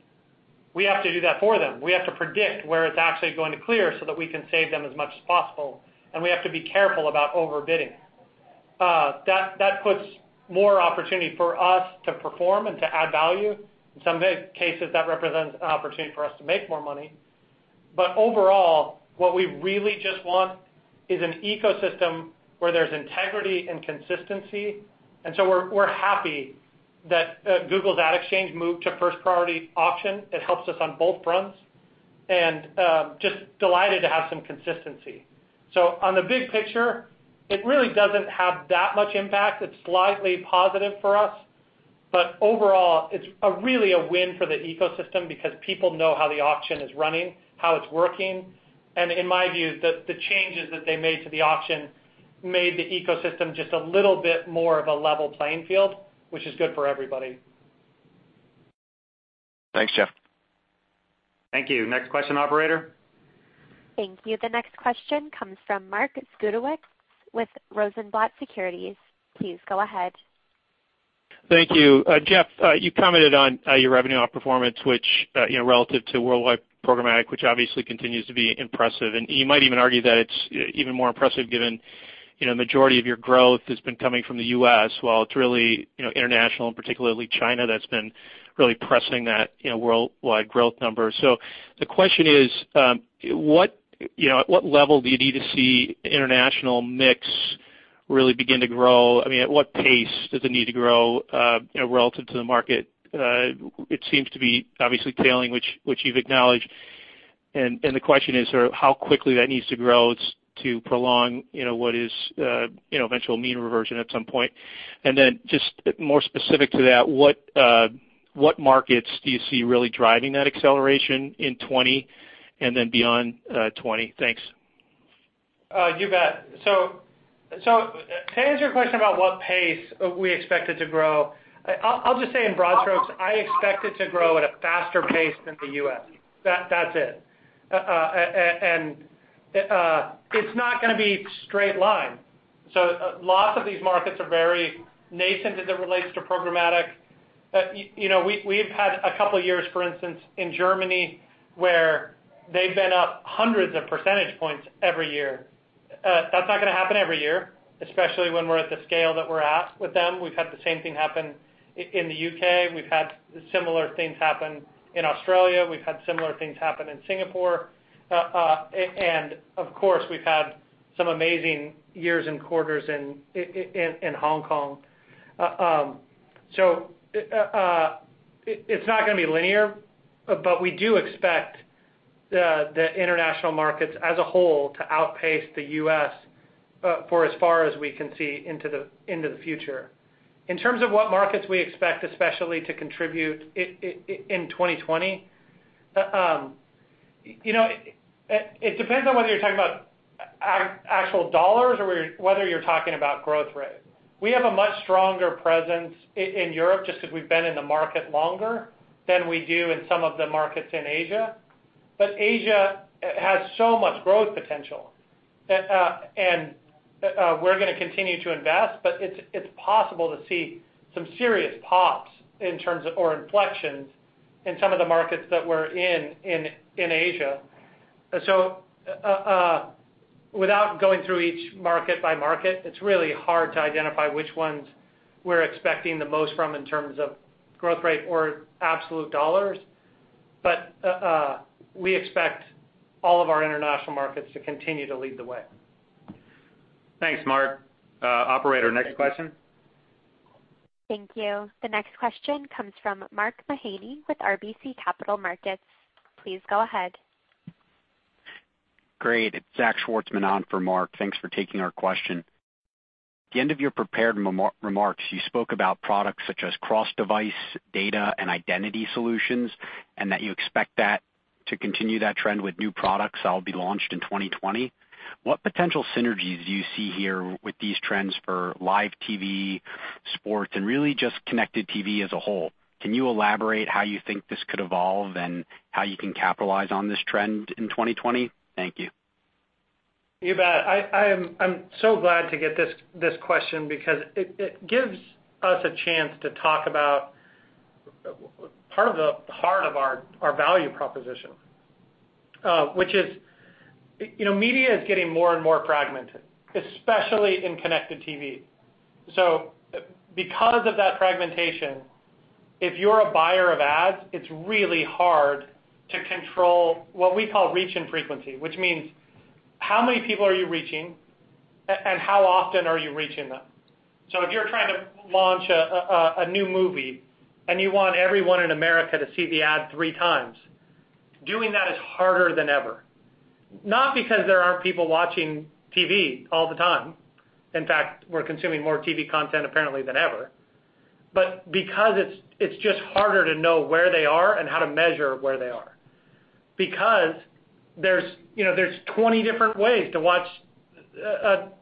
we have to do that for them. We have to predict where it's actually going to clear so that we can save them as much as possible, and we have to be careful about overbidding. That puts more opportunity for us to perform and to add value. In some big cases, that represents an opportunity for us to make more money. Overall, what we really just want is an ecosystem where there's integrity and consistency. We're happy that Google's Ad Exchange moved to first price auction. It helps us on both fronts, and just delighted to have some consistency. On the big picture, it really doesn't have that much impact. It's slightly positive for us. Overall, it's a really a win for the ecosystem because people know how the auction is running, how it's working. In my view, the changes that they made to the auction made the ecosystem just a little bit more of a level playing field, which is good for everybody. Thanks, Jeff. Thank you. Next question, Operator. Thank you. The next question comes from Mark Zgutowicz with Rosenblatt Securities. Please go ahead. Thank you. Jeff, you commented on your revenue outperformance, which, you know, relative to worldwide programmatic, which obviously continues to be impressive. You might even argue that it's even more impressive given, you know, majority of your growth has been coming from the U.S. while it's really, you know, international and particularly China that's been really pressing that, you know, worldwide growth number. The question is, what, you know, at what level do you need to see international mix really begin to grow? I mean, at what pace does it need to grow, you know, relative to the market? It seems to be obviously trailing, which you've acknowledged. The question is sort of how quickly that needs to grow to prolong, you know, what is, you know, eventual mean reversion at some point. Just more specific to that, what markets do you see really driving that acceleration in 2020 and then beyond, 2020? Thanks. You bet. To answer your question about what pace we expect it to grow, I'll just say in broad strokes, I expect it to grow at a faster pace than the U.S. That's it. It's not gonna be straight line. Lots of these markets are very nascent as it relates to programmatic. You know, we've had a couple years, for instance, in Germany, where they've been up hundreds of percentage points every year. That's not gonna happen every year, especially when we're at the scale that we're at with them. We've had the same thing happen in the U.K. We've had similar things happen in Australia. We've had similar things happen in Singapore. Of course, we've had some amazing years and quarters in Hong Kong. It's not gonna be linear, but we do expect the international markets as a whole to outpace the U.S., for as far as we can see into the future. In terms of what markets we expect especially to contribute in 2020, you know, it depends on whether you're talking about actual dollars or whether you're talking about growth rate. We have a much stronger presence in Europe just because we've been in the market longer than we do in some of the markets in Asia. Asia has so much growth potential. We're gonna continue to invest, but it's possible to see some serious pops or inflections in some of the markets that we're in in Asia. Without going through each market by market, it's really hard to identify which ones we're expecting the most from in terms of growth rate or absolute dollars. We expect all of our international markets to continue to lead the way. Thanks, Mark. Operator, next question. Thank you. The next question comes from Mark Mahaney with RBC Capital Markets. Please go ahead. Great. It's Zach Schwartzman on for Mark. Thanks for taking our question. At the end of your prepared remarks, you spoke about products such as cross-device data and identity solutions, and that you expect that to continue that trend with new products that'll be launched in 2020. What potential synergies do you see here with these trends for live TV, sports, and really just Connected TV as a whole? Can you elaborate how you think this could evolve and how you can capitalize on this trend in 2020? Thank you. You bet. I'm so glad to get this question because it gives us a chance to talk about part of the heart of our value proposition, which is, you know, media is getting more and more fragmented, especially in CTV. Because of that fragmentation, if you're a buyer of ads, it's really hard to control what we call reach and frequency, which means how many people are you reaching and how often are you reaching them? If you're trying to launch a new movie and you want everyone in America to see the ad three times, doing that is harder than ever. Not because there aren't people watching TV all the time, in fact, we're consuming more TV content apparently than ever, but because it's just harder to know where they are and how to measure where they are. Because there's 20 ways to watch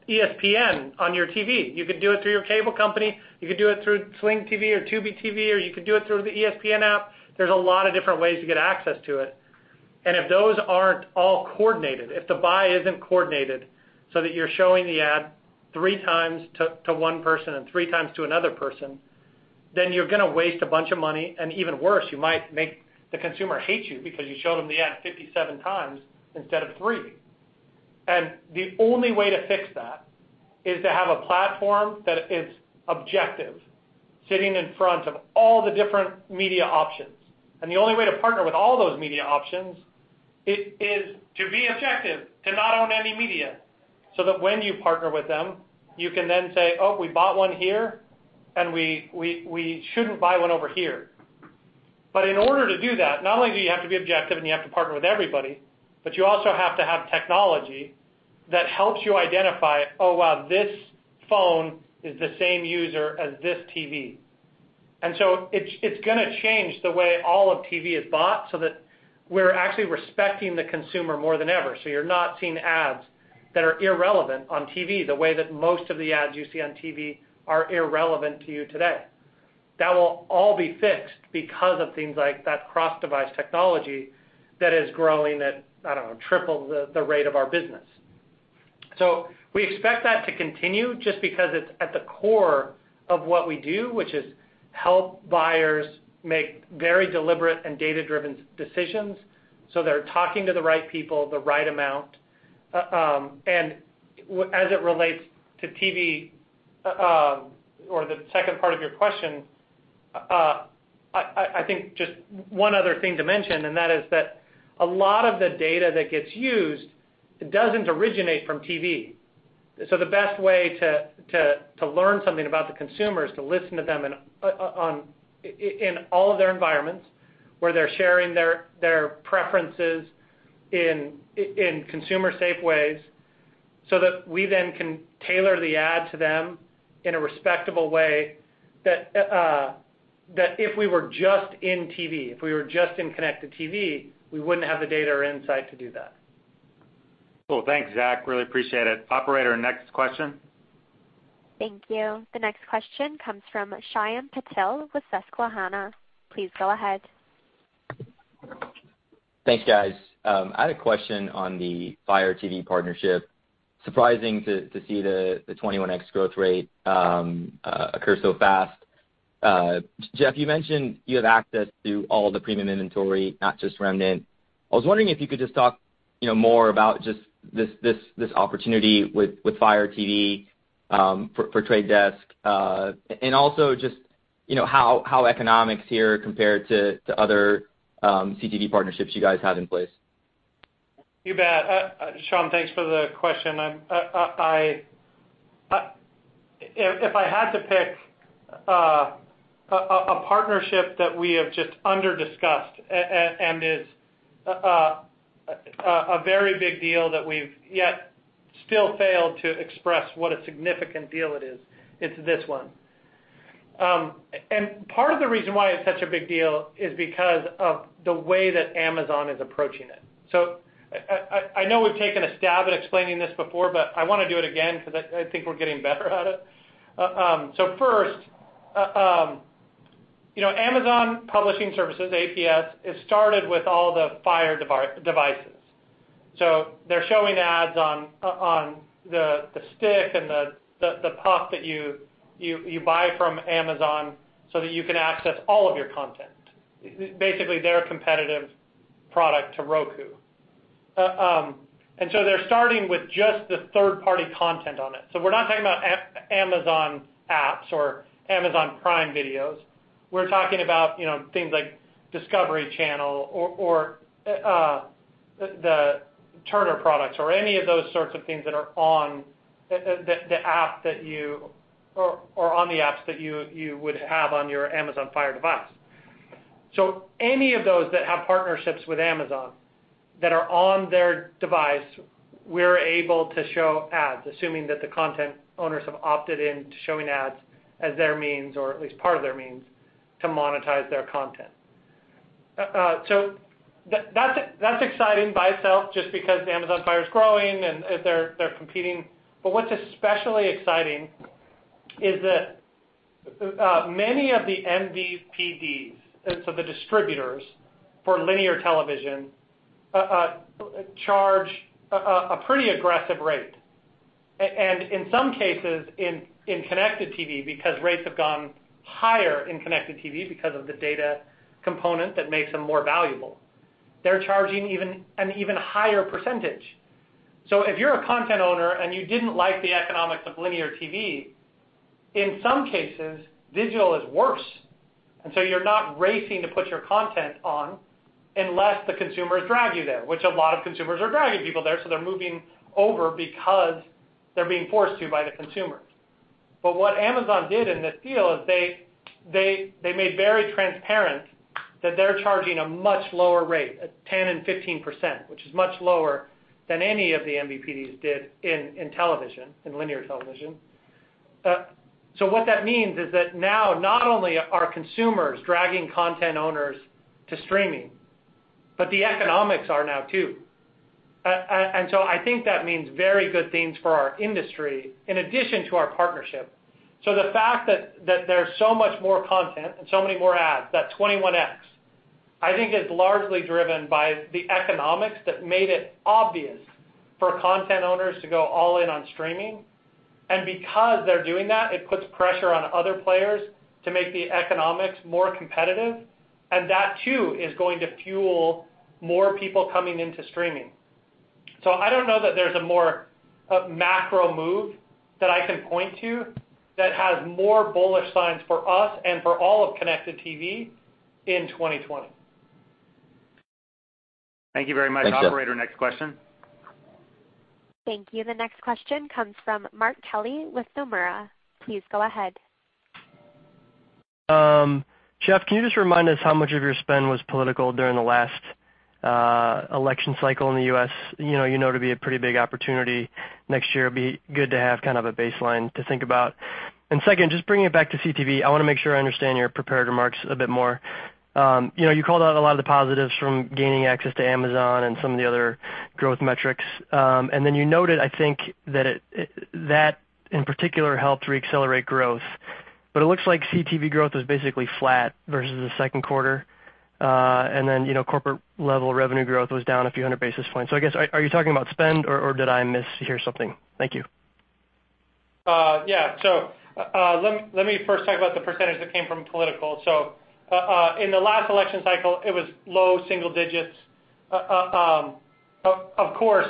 ESPN on your TV. You could do it through your cable company, you could do it through Sling TV or Tubi TV, or you could do it through the ESPN app. There's a lot of different ways to get access to it. If those aren't all coordinated, if the buy isn't coordinated so that you're showing the ad three times to one person and three times to another person, you're gonna waste a bunch of money, even worse, you might make the consumer hate you because you showed them the ad 57 times instead of three. The only way to fix that is to have a platform that is objective, sitting in front of all the different media options. The only way to partner with all those media options is to be objective, to not own any media, so that when you partner with them, you can then say, "Oh, we bought one here, and we shouldn't buy one over here." In order to do that, not only do you have to be objective and you have to partner with everybody, but you also have to have technology that helps you identify, oh, wow, this phone is the same user as this TV. It's gonna change the way all of TV is bought so that we're actually respecting the consumer more than ever. You're not seeing ads that are irrelevant on TV, the way that most of the ads you see on TV are irrelevant to you today. That will all be fixed because of things like that cross-device technology that is growing at, I don't know, triple the rate of our business. We expect that to continue just because it's at the core of what we do, which is help buyers make very deliberate and data-driven decisions so they're talking to the right people the right amount. And as it relates to TV, or the second part of your question, I think just one other thing to mention, and that is that a lot of the data that gets used doesn't originate from TV. The best way to learn something about the consumer is to listen to them and on in all of their environments where they're sharing their preferences in consumer safe ways so that we then can tailor the ad to them in a respectable way that if we were just in TV, if we were just in Connected TV, we wouldn't have the data or insight to do that. Cool. Thanks, Zach. Really appreciate it. Operator, next question. Thank you. The next question comes from Shyam Patil with Susquehanna. Please go ahead. Thanks, guys. I had a question on the Fire TV partnership. Surprising to see the 21x growth rate occur so fast. Jeff, you mentioned you have access to all the premium inventory, not just remnant. I was wondering if you could just talk, you know, more about this opportunity with Fire TV for Trade Desk. Also just, you know, how economics here compare to other CTV partnerships you guys have in place. You bet. Shyam, thanks for the question. I'm if I had to pick a partnership that we have just under discussed and is a very big deal that we've yet still failed to express what a significant deal it is, it's this one. Part of the reason why it's such a big deal is because of the way that Amazon is approaching it. I know we've taken a stab at explaining this before, but I wanna do it again because I think we're getting better at it. First, you know, Amazon Publisher Services, APS, is started with all the Fire devices. They're showing ads on the Stick and the Puck that you buy from Amazon so that you can access all of your content, basically their competitive product to Roku. They're starting with just the third party content on it. We're not talking about Amazon apps or Amazon Prime Video. We're talking about, you know, things like Discovery Channel or the Turner products or any of those sorts of things that are on the app that you or on the apps that you would have on your Amazon Fire device. Any of those that have partnerships with Amazon that are on their device, we're able to show ads, assuming that the content owners have opted in to showing ads as their means, or at least part of their means, to monetize their content. That's exciting by itself just because Amazon Fire is growing and they're competing. What's especially exciting is that many of the MVPDs, the distributors for linear television, charge a pretty aggressive rate. In some cases, in Connected TV, because rates have gone higher in Connected TV because of the data component that makes them more valuable, they're charging an even higher percentage. If you're a content owner and you didn't like the economics of linear TV, in some cases, digital is worse. You're not racing to put your content on unless the consumers drive you there, which a lot of consumers are driving people there, so they're moving over because they're being forced to by the consumer. What Amazon did in this deal is they made very transparent that they're charging a much lower rate at 10% and 15%, which is much lower than any of the MVPDs did in television, in linear television. What that means is that now not only are consumers dragging content owners to streaming, but the economics are now too. I think that means very good things for our industry in addition to our partnership. The fact that there's so much more content and so many more ads, that 21x, I think is largely driven by the economics that made it obvious for content owners to go all in on streaming. Because they're doing that, it puts pressure on other players to make the economics more competitive, and that too is going to fuel more people coming into streaming. I don't know that there's a more macro move that I can point to that has more bullish signs for us and for all of Connected TV in 2020. Thank you very much. Thank you. Operator, next question. Thank you. The next question comes from Mark Kelley with Nomura. Please go ahead. Jeff, can you just remind us how much of your spend was political during the last election cycle in the U.S.? You know, it'll be a pretty big opportunity next year. It'd be good to have kind of a baseline to think about. Second, just bringing it back to CTV, I wanna make sure I understand your prepared remarks a bit more. You know, you called out a lot of the positives from gaining access to Amazon and some of the other growth metrics. You noted, I think, that in particular helped re-accelerate growth. It looks like CTV growth was basically flat versus the second quarter. You know, corporate level revenue growth was down a few hundred basis points. I guess, are you talking about spend, or did I mishear something? Thank you. Let me first talk about the percentage that came from political. In the last election cycle, it was low single digits. Of course,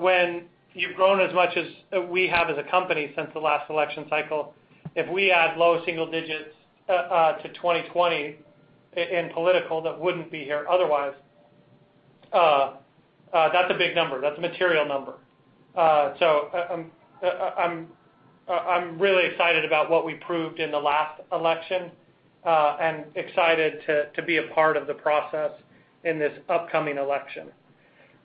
when you've grown as much as we have as a company since the last election cycle, if we add low single digits to 2020 in political that wouldn't be here otherwise, that's a big number. That's a material number. I'm really excited about what we proved in the last election and excited to be a part of the process in this upcoming election.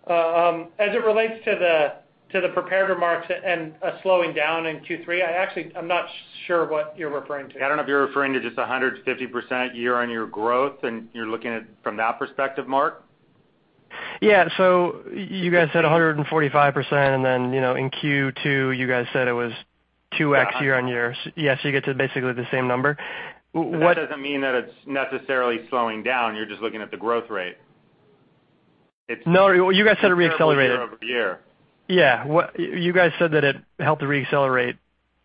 As it relates to the prepared remarks and slowing down in Q3, I actually I'm not sure what you're referring to. I don't know if you're referring to just a 150% year-on-year growth and you're looking at from that perspective, Mark? Yeah. You guys said 145%, and then, you know, in Q2, you guys said it was 2x year-on-year. Yeah. Yes, you get to basically the same number. That doesn't mean that it's necessarily slowing down. You're just looking at the growth rate. No. You guys said re-accelerated- It's year-over-year. Yeah. You guys said that it helped to re-accelerate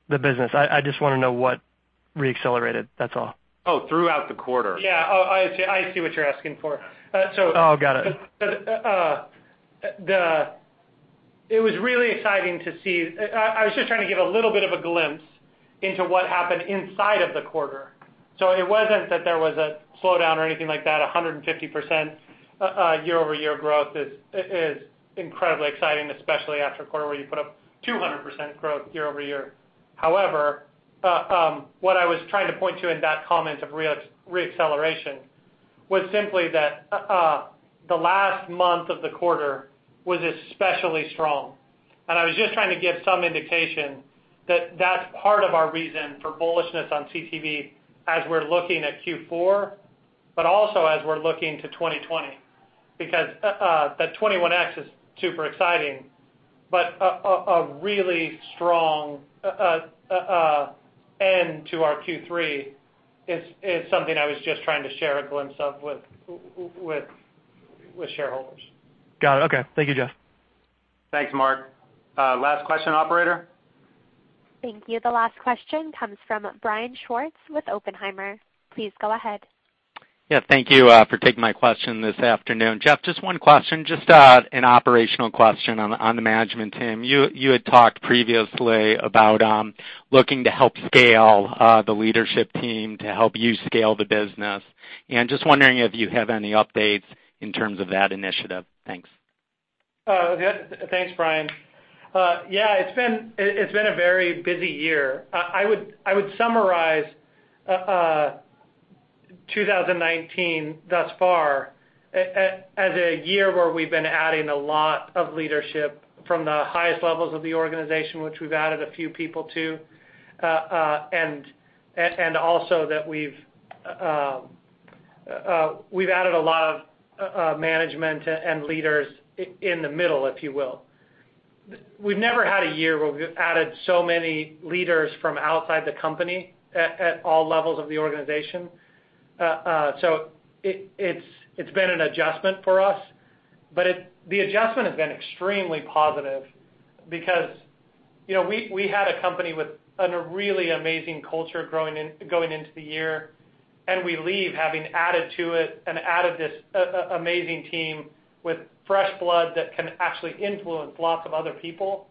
the business. I just wanna know what re-accelerated. That's all. Throughout the quarter? Yeah. I see what you're asking for. Oh, got it. It was really exciting to see. I was just trying to give a little bit of a glimpse into what happened inside of the quarter. It wasn't that there was a slowdown or anything like that. 150% year-over-year growth is incredibly exciting, especially after a quarter where you put up 200% growth year-over-year. However, what I was trying to point to in that comment of reacceleration was simply that the last month of the quarter was especially strong. I was just trying to give some indication that that's part of our reason for bullishness on CTV as we're looking at Q4, but also as we're looking to 2020. That 21x is super exciting, but a really strong end to our Q3 is something I was just trying to share a glimpse of with shareholders. Got it. Okay. Thank you, Jeff. Thanks, Mark. Last question, Operator. Thank you. The last question comes from Brian Schwartz with Oppenheimer. Please go ahead. Yeah, thank you for taking my question this afternoon. Jeff, just one question. Just an operational question on the management team. You had talked previously about looking to help scale the leadership team to help you scale the business. Just wondering if you have any updates in terms of that initiative. Thanks. Yeah, thanks, Brian. It's been a very busy year. I would summarize 2019 thus far as a year where we've been adding a lot of leadership from the highest levels of the organization, which we've added a few people to. Also that we've added a lot of management and leaders in the middle, if you will. We've never had a year where we've added so many leaders from outside the company at all levels of the organization. It's been an adjustment for us. The adjustment has been extremely positive because, you know, we had a company with an really amazing culture going into the year, and we leave having added to it and added this amazing team with fresh blood that can actually influence lots of other people.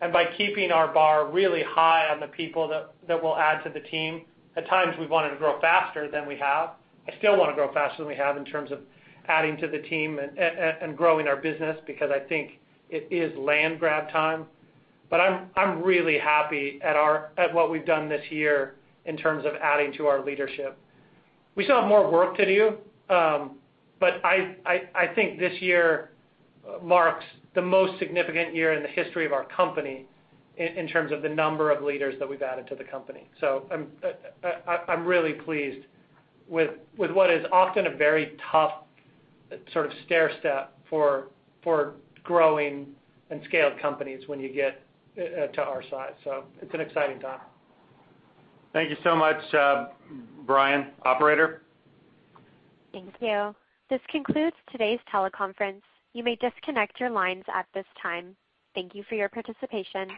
By keeping our bar really high on the people that we'll add to the team, at times we've wanted to grow faster than we have. I still wanna grow faster than we have in terms of adding to the team and growing our business because I think it is land grab time. I'm really happy at what we've done this year in terms of adding to our leadership. We still have more work to do, but I think this year marks the most significant year in the history of our company in terms of the number of leaders that we've added to the company. I'm really pleased with what is often a very tough sort of stairstep for growing and scaled companies when you get to our size. It's an exciting time. Thank you so much, Brian. Operator? Thank you. This concludes today's teleconference. You may disconnect your lines at this time. Thank you for your participation.